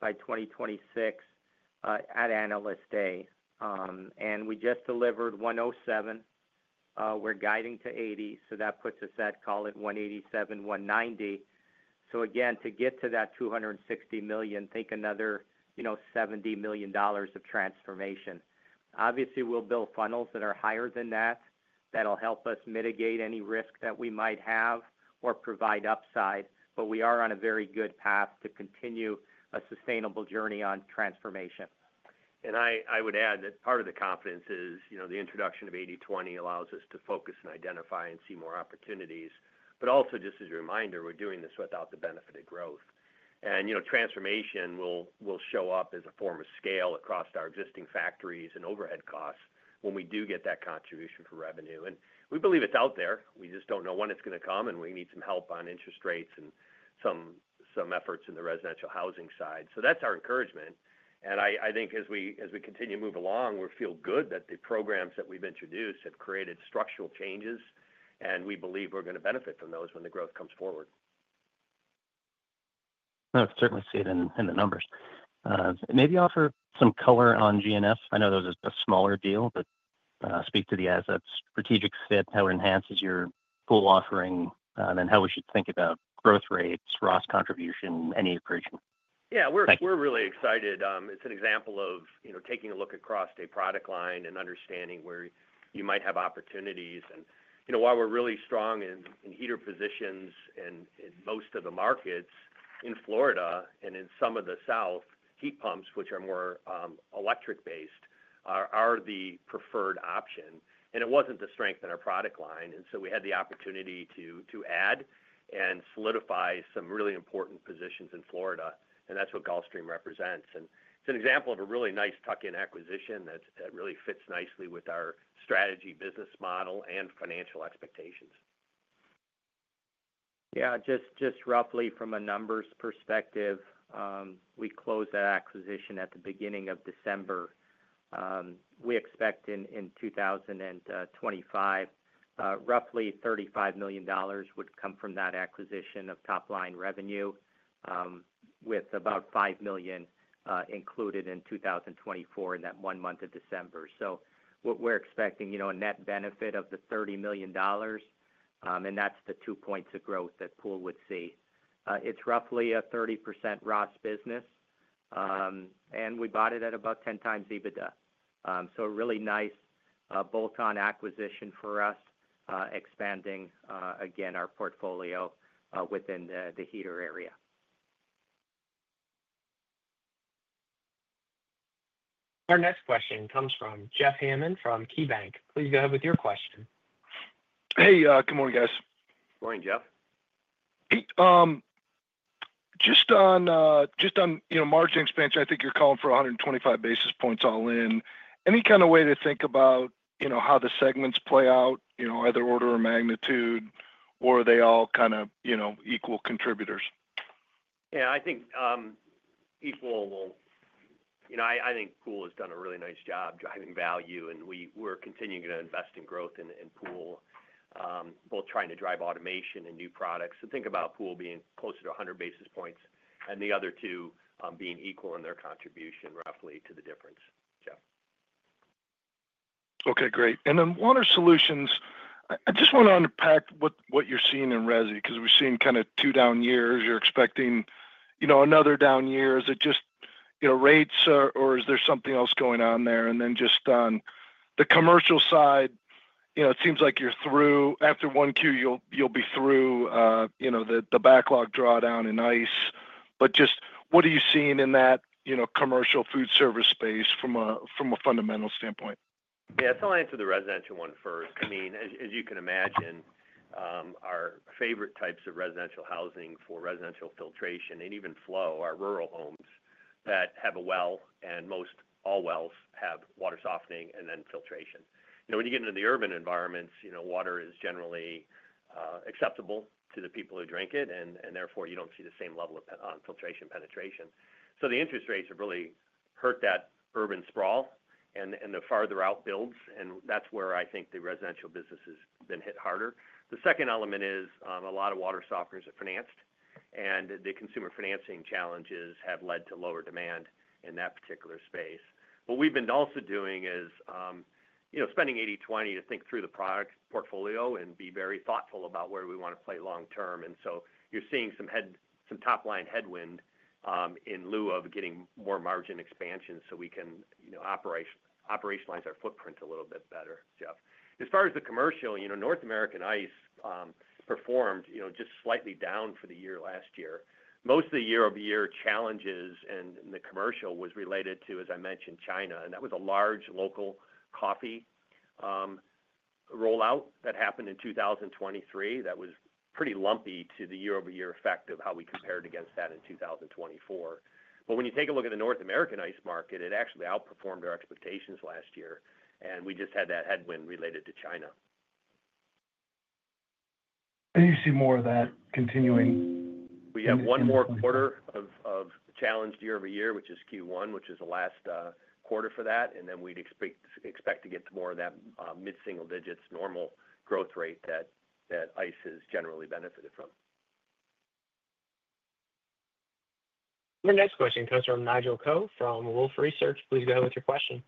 [SPEAKER 4] by 2026 at analyst day, and we just delivered 107. We're guiding to 80, so that puts us at, call it 187, 190. So again, to get to that $260 million, think another $70 million of transformation. Obviously, we'll build funnels that are higher than that. That'll help us mitigate any risk that we might have or provide upside, but we are on a very good path to continue a sustainable journey on transformation. And I would add that part of the confidence is the introduction of 80/20 allows us to focus and identify and see more opportunities. But also, just as a reminder, we're doing this without the benefit of growth. Transformation will show up as a form of scale across our existing factories and overhead costs when we do get that contribution for revenue. We believe it's out there. We just don't know when it's going to come, and we need some help on interest rates and some efforts in the residential housing side. That's our encouragement. I think as we continue to move along, we feel good that the programs that we've introduced have created structural changes, and we believe we're going to benefit from those when the growth comes forward. I certainly see it in the numbers. Maybe offer some color on Gulfstream. I know those are a smaller deal, but speak to the assets, strategic fit, how it enhances your pool offering, and then how we should think about growth rates, ROS contribution, any accretion. Yeah. We're really excited. It's an example of taking a look across a product line and understanding where you might have opportunities. And while we're really strong in heater positions in most of the markets in Florida and in some of the South, heat pumps, which are more electric-based, are the preferred option. And it wasn't the strength in our product line. And so we had the opportunity to add and solidify some really important positions in Florida. And that's what Gulfstream represents. And it's an example of a really nice tuck-in acquisition that really fits nicely with our strategy, business model, and financial expectations. Yeah. Just roughly from a numbers perspective, we closed that acquisition at the beginning of December. We expect in 2025 roughly $35 million would come from that acquisition of top-line revenue with about $5 million included in 2024 in that one month of December. So we're expecting a net benefit of the $30 million, and that's the two points of growth that pool would see. It's roughly a 30% ROS business, and we bought it at about 10 times EBITDA. So a really nice bolt-on acquisition for us, expanding, again, our portfolio within the heater area. Our next question comes from Jeff Hammond from KeyBanc. Please go ahead with your question. Hey, good morning, guys. Morning, Jeff. Just on margin expansion, I think you're calling for 125 basis points all in. Any kind of way to think about how the segments play out, either order or magnitude, or are they all kind of equal contributors? Yeah. I think equal will—I think pool has done a really nice job driving value, and we're continuing to invest in growth in pool, both trying to drive automation and new products. So think about pool being closer to 100 basis points and the other two being equal in their contribution roughly to the difference, yeah
[SPEAKER 7] Okay. Great. And then water solutions, I just want to unpack what you're seeing in resi because we've seen kind of two down years. You're expecting another down year. Is it just rates, or is there something else going on there? And then just on the commercial side, it seems like you're through, after one Q, you'll be through the backlog drawdown in ice. But just what are you seeing in that commercial food service space from a fundamental standpoint?
[SPEAKER 3] Yeah. So I'll answer the residential one first. I mean, as you can imagine, our favorite types of residential housing for residential filtration and even flow are rural homes that have a well, and most all wells have water softening and then filtration. When you get into the urban environments, water is generally acceptable to the people who drink it, and therefore, you don't see the same level of filtration penetration. So the interest rates have really hurt that urban sprawl and the farther out builds. And that's where I think the residential business has been hit harder. The second element is a lot of water softeners are financed, and the consumer financing challenges have led to lower demand in that particular space. What we've been also doing is spending 80/20 to think through the product portfolio and be very thoughtful about where we want to play long term. And so you're seeing some top-line headwind in lieu of getting more margin expansion so we can operationalize our footprint a little bit better, yeah. As far as the commercial, North American ice performed just slightly down for the year last year. Most of the year-over-year challenges in the commercial was related to, as I mentioned, China. And that was a large local coffee rollout that happened in 2023 that was pretty lumpy to the year-over-year effect of how we compared against that in 2024. But when you take a look at the North American ICE market, it actually outperformed our expectations last year, and we just had that headwind related to China. And you see more of that continuing? We have one more quarter of challenged year-over-year, which is Q1, which is the last quarter for that. And then we'd expect to get more of that mid-single digits normal growth rate that ICE has generally benefited from.
[SPEAKER 1] Our next question comes from Nigel Coe from Wolfe Research. Please go ahead with your question.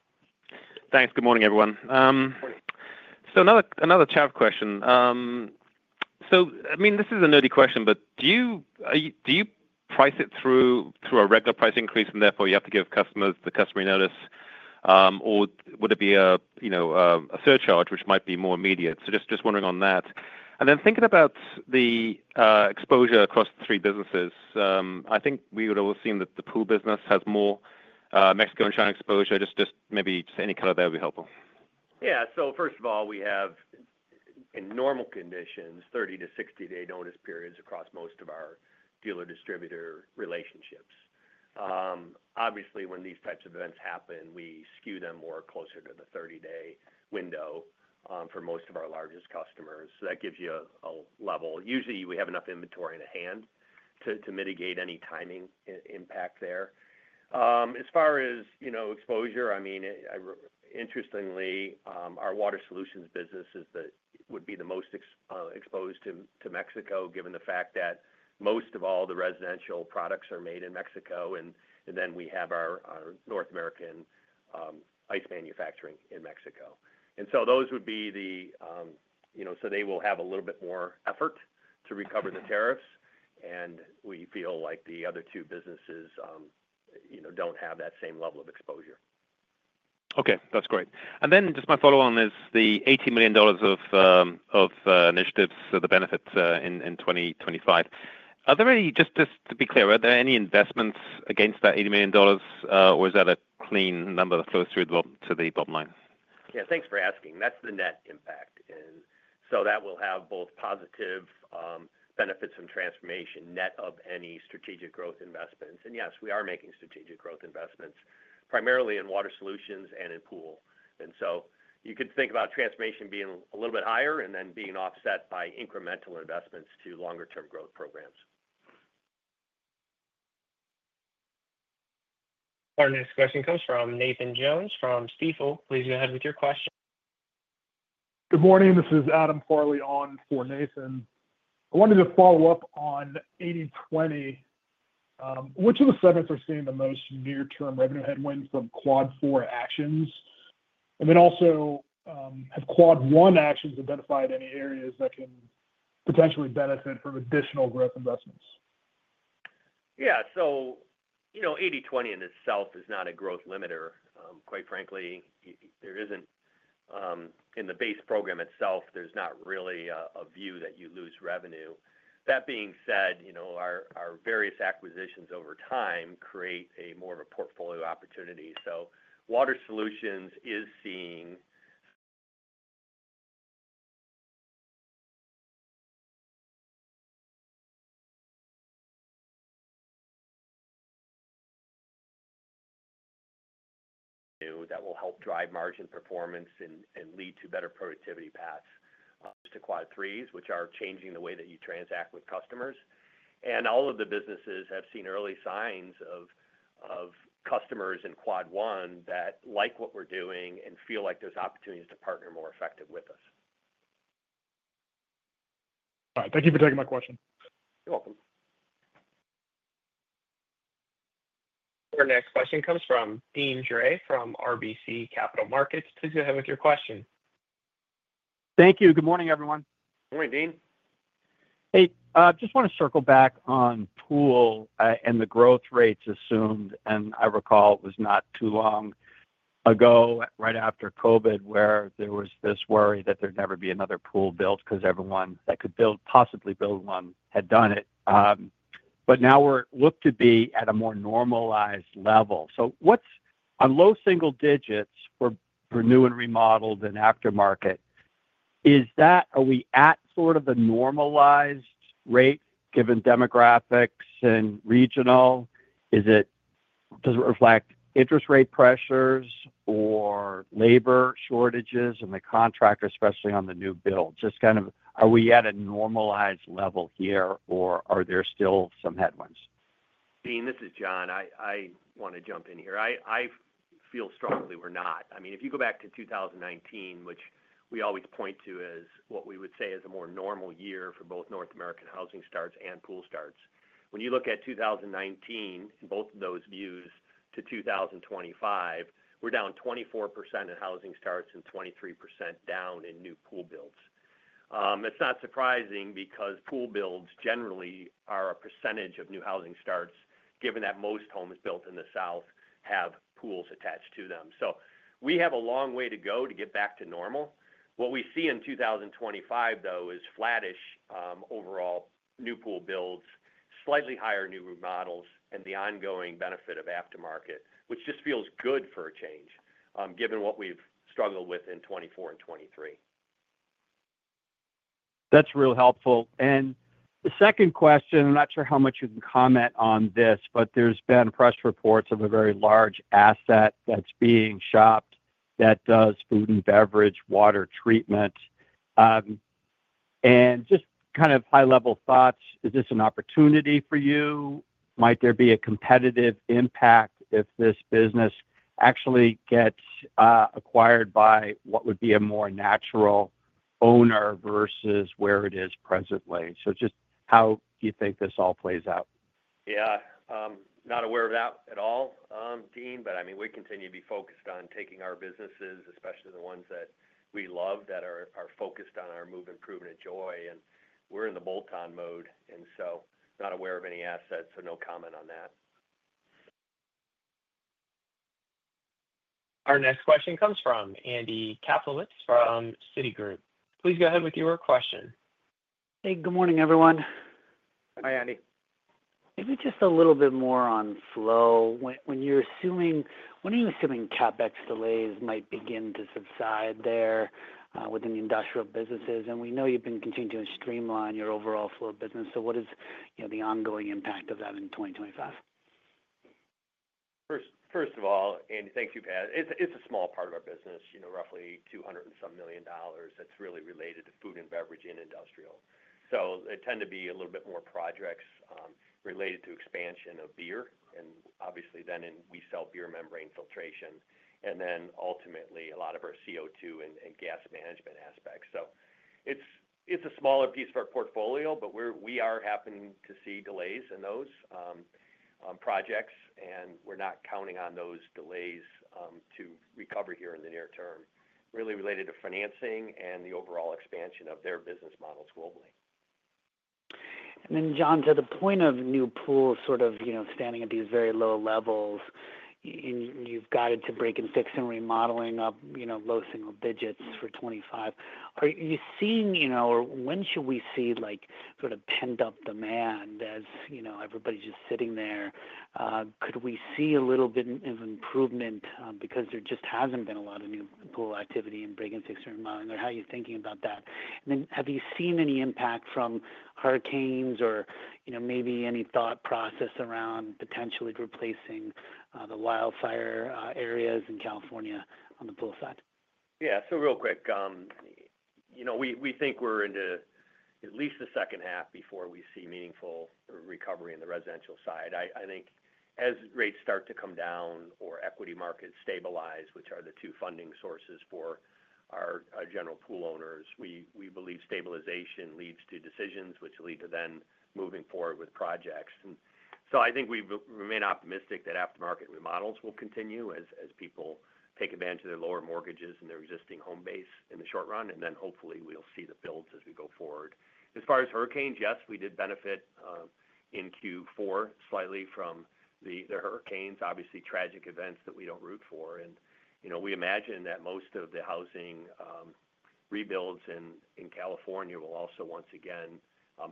[SPEAKER 8] Thanks. Good morning, everyone.
[SPEAKER 3] Good morning.
[SPEAKER 8] So another chat question. So I mean, this is a nerdy question, but do you price it through a regular price increase and therefore you have to give the customer notice, or would it be a surcharge which might be more immediate? So just wondering on that. And then thinking about the exposure across the three businesses, I think we would have seen that the pool business has more Mexico and China exposure. Just maybe any color there would be helpful.
[SPEAKER 3] Yeah. So first of all, we have, in normal conditions, 30-60-day notice periods across most of our dealer-distributor relationships. Obviously, when these types of events happen, we skew them more closer to the 30-day window for most of our largest customers. So that gives you a level. Usually, we have enough inventory in hand to mitigate any timing impact there. As far as exposure, I mean, interestingly, our water solutions business would be the most exposed to Mexico given the fact that most of all the residential products are made in Mexico, and then we have our North American ice manufacturing in Mexico. And so those would be. So they will have a little bit more effort to recover the tariffs. And we feel like the other two businesses do not have that same level of exposure.
[SPEAKER 8] Okay. That is great. And then just my follow-on is the $80 million of initiatives, so the benefits in 2025. Just to be clear, are there any investments against that $80 million, or is that a clean number that flows through to the bottom line?
[SPEAKER 4] Yeah. Thanks for asking. That is the net impact. And so that will have both positive benefits from transformation net of any strategic growth investments. And yes, we are making strategic growth investments primarily in water solutions and in pool. And so you could think about Transformation being a little bit higher and then being offset by incremental investments to longer-term growth programs.
[SPEAKER 1] Our next question comes from Nathan Jones from Stifel. Please go ahead with your question.
[SPEAKER 9] Good morning. This is Adam Farley on for Nathan. I wanted to follow up on 80/20. Which of the segments are seeing the most near-term revenue headwind from Quad 4 actions? And then also, have Quad 1 actions identified any areas that can potentially benefit from additional growth investments?
[SPEAKER 3] Yeah. So 80/20 in itself is not a growth limiter. Quite frankly, in the base program itself, there's not really a view that you lose revenue. That being said, our various acquisitions over time create more of a portfolio opportunity. Water Solutions is seeing that will help drive margin performance and lead to better productivity paths to Quad 3s, which are changing the way that you transact with customers. And all of the businesses have seen early signs of customers in Quad 1 that like what we're doing and feel like there's opportunities to partner more effective with us.
[SPEAKER 9] All right. Thank you for taking my question.
[SPEAKER 3] You're welcome.
[SPEAKER 1] Our next question comes from Deane Dray from RBC Capital Markets. Please go ahead with your question.
[SPEAKER 10] Thank you. Good morning, everyone. Good morning, Deane. Hey. Just want to circle back on pool and the growth rates assumed. And I recall it was not too long ago, right after COVID, where there was this worry that there'd never be another pool built because everyone that could possibly build one had done it. But now we look to be at a more normalized level. So on low single digits for new and remodeled and aftermarket, are we at sort of a normalized rate given demographics and regional? Does it reflect interest rate pressures or labor shortages and the contractor, especially on the new build? Just kind of are we at a normalized level here, or are there still some headwinds?
[SPEAKER 3] Deane, this is John. I want to jump in here. I feel strongly we're not. I mean, if you go back to 2019, which we always point to as what we would say is a more normal year for both North American housing starts and pool starts, when you look at 2019 versus 2025, we're down 24% in housing starts and 23% down in new pool builds. It's not surprising because pool builds generally are a percentage of new housing starts, given that most homes built in the South have pools attached to them. So we have a long way to go to get back to normal. What we see in 2025, though, is flattish overall new pool builds, slightly higher new remodels, and the ongoing benefit of aftermarket, which just feels good for a change given what we've struggled with in 2024 and 2023.
[SPEAKER 10] That's real helpful. And the second question, I'm not sure how much you can comment on this, but there's been press reports of a very large asset that's being shopped that does food and beverage, water treatment. And just kind of high-level thoughts, is this an opportunity for you? Might there be a competitive impact if this business actually gets acquired by what would be a more natural owner versus where it is presently? So just how do you think this all plays out?
[SPEAKER 3] Yeah. Not aware of that at all, Deane. But I mean, we continue to be focused on taking our businesses, especially the ones that we love, that are focused on our move, improvement, and joy. And we're in the bolt-on mode. And so not aware of any assets, so no comment on that. Our next question comes from Andy Kaplowitz from Citigroup. Please go ahead with your question.
[SPEAKER 11] Hey. Good morning, everyone.
[SPEAKER 3] Hi, Andy.
[SPEAKER 11] Maybe just a little bit more on flow. When are you assuming CapEx delays might begin to subside there within the industrial businesses? And we know you've been continuing to streamline your overall flow of business. What is the ongoing impact of that in 2025?
[SPEAKER 3] First of all, Andy, thank you for that. It's a small part of our business, roughly $200 and some million dollars that's really related to food and beverage and industrial. So it tends to be a little bit more projects related to expansion of beer. And obviously, then we sell Beer Membrane Filtration. And then ultimately, a lot of our CO₂ and gas management aspects. So it's a smaller piece of our portfolio, but we are happening to see delays in those projects. And we're not counting on those delays to recover here in the near term, really related to financing and the overall expansion of their business models globally.
[SPEAKER 11] And then, John, to the point of new pools sort of standing at these very low levels, you've got it to break and fix and remodeling up low single digits for 2025. Are you seeing or when should we see sort of pent-up demand as everybody's just sitting there? Could we see a little bit of improvement because there just hasn't been a lot of new pool activity in break and fix remodeling? Or how are you thinking about that? And then have you seen any impact from hurricanes or maybe any thought process around potentially replacing the wildfire areas in California on the pool side?
[SPEAKER 3] Yeah. So real quick, we think we're into at least the second half before we see meaningful recovery in the residential side. I think as rates start to come down or equity markets stabilize, which are the two funding sources for our general pool owners, we believe stabilization leads to decisions which lead to then moving forward with projects. And so I think we remain optimistic that aftermarket remodels will continue as people take advantage of their lower mortgages and their existing home base in the short run. And then hopefully, we'll see the builds as we go forward. As far as hurricanes, yes, we did benefit in Q4 slightly from the hurricanes, obviously tragic events that we don't root for. And we imagine that most of the housing rebuilds in California will also once again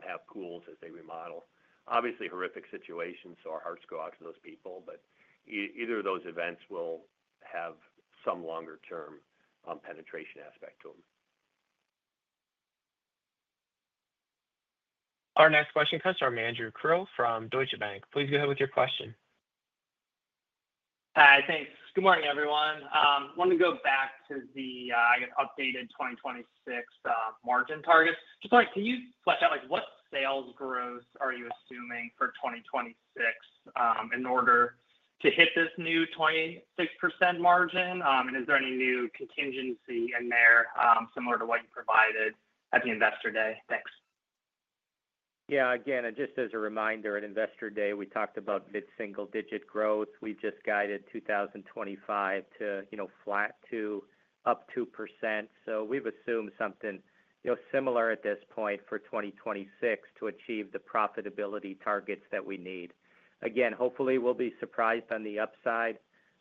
[SPEAKER 3] have pools as they remodel. Obviously, horrific situations, so our hearts go out to those people. But either of those events will have some longer-term penetration aspect to them.
[SPEAKER 1] Our next question comes from Andrew Krill from Deutsche Bank. Please go ahead with your question.
[SPEAKER 12] Hi, thanks. Good morning, everyone. I wanted to go back to the, I guess, updated 2026 margin targets. Just can you flesh out what sales growth are you assuming for 2026 in order to hit this new 26% margin? And is there any new contingency in there similar to what you provided at the investor day? Thanks.
[SPEAKER 3] Yeah. Again, just as a reminder, at investor day, we talked about mid-single digit growth. We just guided 2025 to flat to up 2%. So we've assumed something similar at this point for 2026 to achieve the profitability targets that we need. Again, hopefully, we'll be surprised on the upside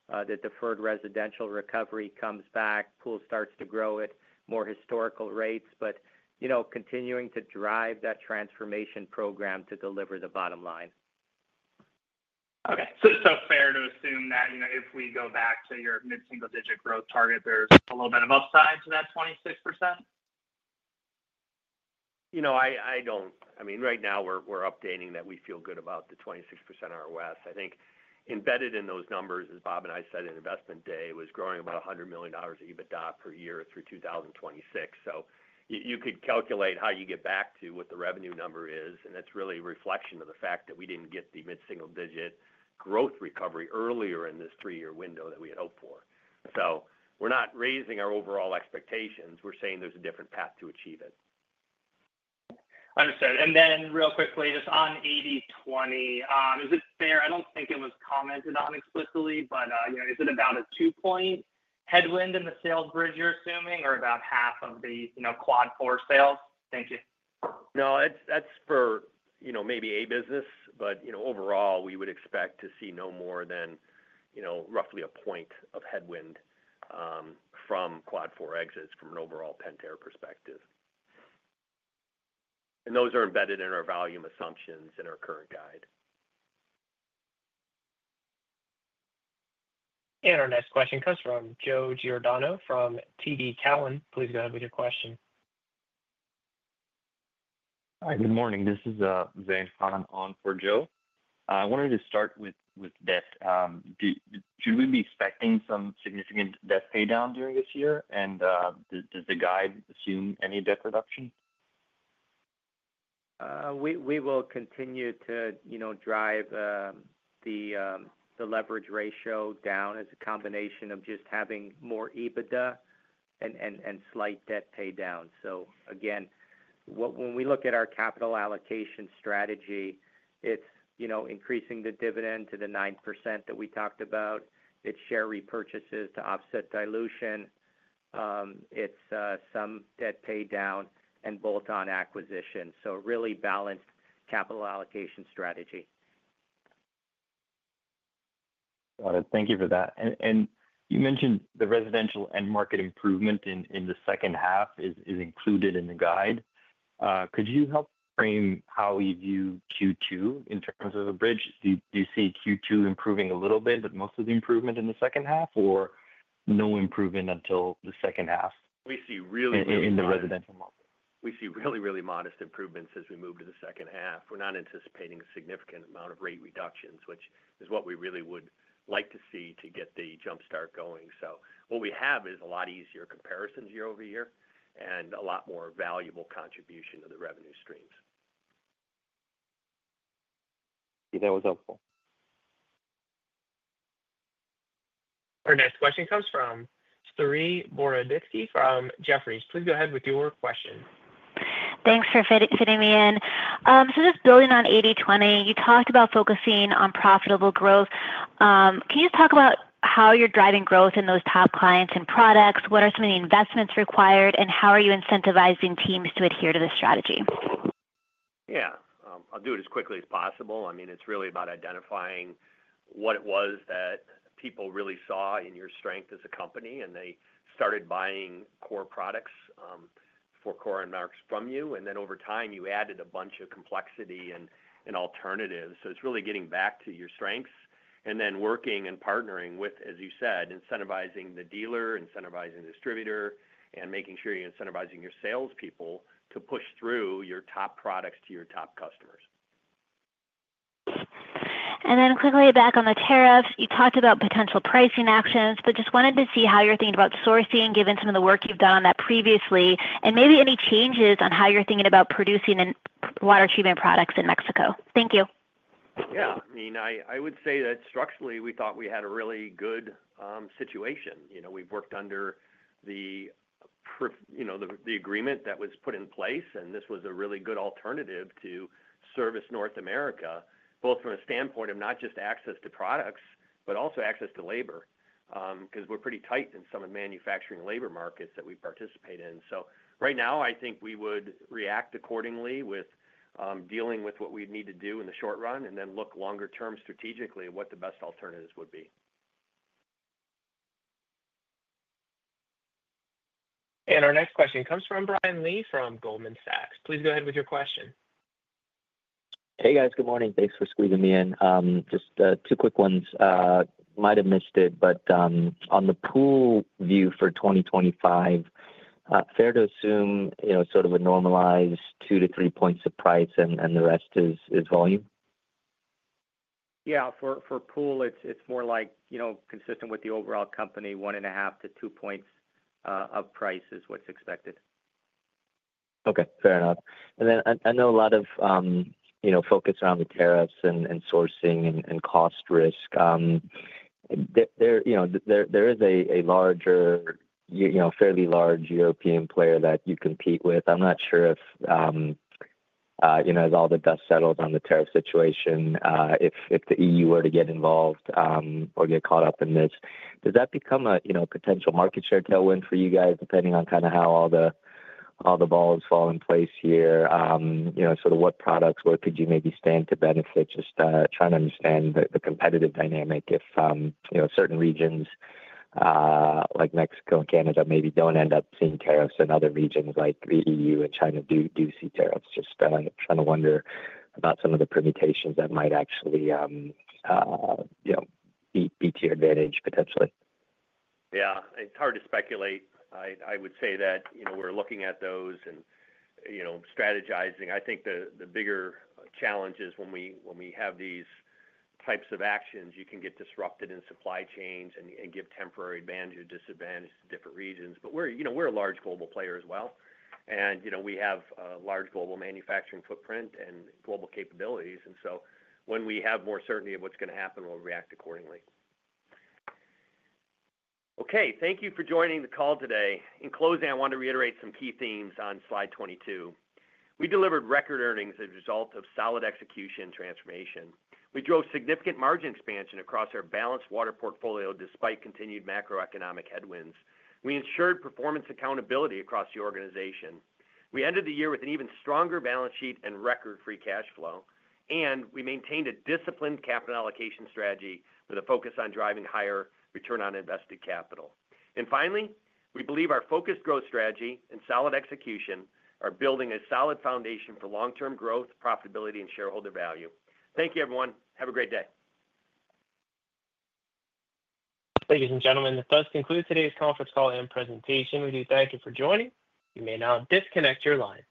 [SPEAKER 3] that deferred residential recovery comes back, pool starts to grow at more historical rates, but continuing to drive that transformation program to deliver the bottom line.
[SPEAKER 12] Okay. So, it's fair to assume that if we go back to your mid-single digit growth target, there's a little bit of upside to that 26%?
[SPEAKER 4] I don't. I mean, right now, we're updating that we feel good about the 26% ROS. I think embedded in those numbers is what Bob and I said at Investor Day was growing about $100 million EBITDA per year through 2026. So you could calculate how you get back to what the revenue number is. And it's really a reflection of the fact that we didn't get the mid-single digit growth recovery earlier in this three-year window that we had hoped for. So we're not raising our overall expectations. We're saying there's a different path to achieve it.
[SPEAKER 12] Understood. And then real quickly, just on 80/20, is it fair? I don't think it was commented on explicitly, but is it about a two-point headwind in the sales bridge you're assuming or about half of the Quad 4 sales? Thank you.
[SPEAKER 4] No, that's for maybe a business. But overall, we would expect to see no more than roughly a point of headwind from Quad 4 exits from an overall Pentair perspective. And those are embedded in our volume assumptions in our current guide.
[SPEAKER 1] And our next question comes from Joe Giordano from TD Cowen. Please go ahead with your question.
[SPEAKER 13] Hi, good morning. This is Zane Karimi on for Joe. I wanted to start with debt. Should we be expecting some significant debt paydown during this year? And does the guide assume any debt reduction?
[SPEAKER 3] We will continue to drive the leverage ratio down as a combination of just having more EBITDA and slight debt paydown. So again, when we look at our capital allocation strategy, it's increasing the dividend to the 9% that we talked about. It's share repurchases to offset dilution. It's some debt paydown and bolt-on acquisition. So really balanced capital allocation strategy.
[SPEAKER 14] Got it. Thank you for that. And you mentioned the residential end-market improvement in the second half is included in the guide. Could you help frame how we view Q2 in terms of a bridge? Do you see Q2 improving a little bit, but most of the improvement in the second half, or no improvement until the second half?
[SPEAKER 4] We see really, really modest improvements. We see really, really modest improvements as we move to the second half. We're not anticipating a significant amount of rate reductions, which is what we really would like to see to get the jumpstart going. So what we have is a lot easier comparison year over year and a lot more valuable contribution to the revenue streams.
[SPEAKER 13] That was helpful.
[SPEAKER 1] Our next question comes from Saree Boroditsky from Jefferies. Please go ahead with your question.
[SPEAKER 15] Thanks for fitting me in. So just building on 80/20, you talked about focusing on profitable growth. Can you talk about how you're driving growth in those top clients and products? What are some of the investments required, and how are you incentivizing teams to adhere to the strategy?
[SPEAKER 3] Yeah. I'll do it as quickly as possible. I mean, it's really about identifying what it was that people really saw in your strength as a company, and they started buying core products for core end markets from you. And then over time, you added a bunch of complexity and alternatives. So it's really getting back to your strengths and then working and partnering with, as you said, incentivizing the dealer, incentivizing the distributor, and making sure you're incentivizing your salespeople to push through your top products to your top customers.
[SPEAKER 15] And then quickly back on the tariffs, you talked about potential pricing actions, but just wanted to see how you're thinking about sourcing given some of the work you've done on that previously and maybe any changes on how you're thinking about producing water treatment products in Mexico. Thank you.
[SPEAKER 3] Yeah. I mean, I would say that structurally, we thought we had a really good situation. We've worked under the agreement that was put in place, and this was a really good alternative to service North America, both from a standpoint of not just access to products, but also access to labor because we're pretty tight in some of the manufacturing labor markets that we participate in. So right now, I think we would react accordingly with dealing with what we need to do in the short run and then look longer term strategically at what the best alternatives would be.
[SPEAKER 1] And our next question comes from Brian Lee from Goldman Sachs. Please go ahead with your question.
[SPEAKER 16] Hey, guys. Good morning. Thanks for squeezing me in. Just two quick ones. Might have missed it, but on the pool view for 2025, fair to assume sort of a normalized two to three points of price and the rest is volume?
[SPEAKER 3] Yeah. For pool, it's more like consistent with the overall company. One and a half to two points of price is what's expected.
[SPEAKER 16] Okay. Fair enough. And then I know a lot of focus around the tariffs and sourcing and cost risk. There is a fairly large European player that you compete with. I'm not sure if, as all the dust settles on the tariff situation, if the EU were to get involved or get caught up in this, does that become a potential market share tailwind for you guys depending on kind of how all the balls fall in place here? Sort of what products, where could you maybe stand to benefit? Just trying to understand the competitive dynamic if certain regions like Mexico and Canada maybe don't end up seeing tariffs and other regions like the EU and China do see tariffs. Just trying to wonder about some of the permutations that might actually be to your advantage potentially.
[SPEAKER 4] Yeah. It's hard to speculate. I would say that we're looking at those and strategizing. I think the bigger challenge is when we have these types of actions, you can get disrupted in supply chains and give temporary advantage or disadvantage to different regions, but we're a large global player as well, and we have a large global manufacturing footprint and global capabilities, and so when we have more certainty of what's going to happen, we'll react accordingly.
[SPEAKER 3] Okay. Thank you for joining the call today. In closing, I want to reiterate some key themes on slide 22. We delivered record earnings as a result of solid execution and transformation. We drove significant margin expansion across our balanced water portfolio despite continued macroeconomic headwinds. We ensured performance accountability across the organization. We ended the year with an even stronger balance sheet and record free cash flow, and we maintained a disciplined capital allocation strategy with a focus on driving higher return on invested capital, and finally, we believe our focused growth strategy and solid execution are building a solid foundation for long-term growth, profitability, and shareholder value. Thank you, everyone. Have a great day.
[SPEAKER 1] Ladies and gentlemen, this does conclude today's conference call and presentation. We do thank you for joining. You may now disconnect your lines.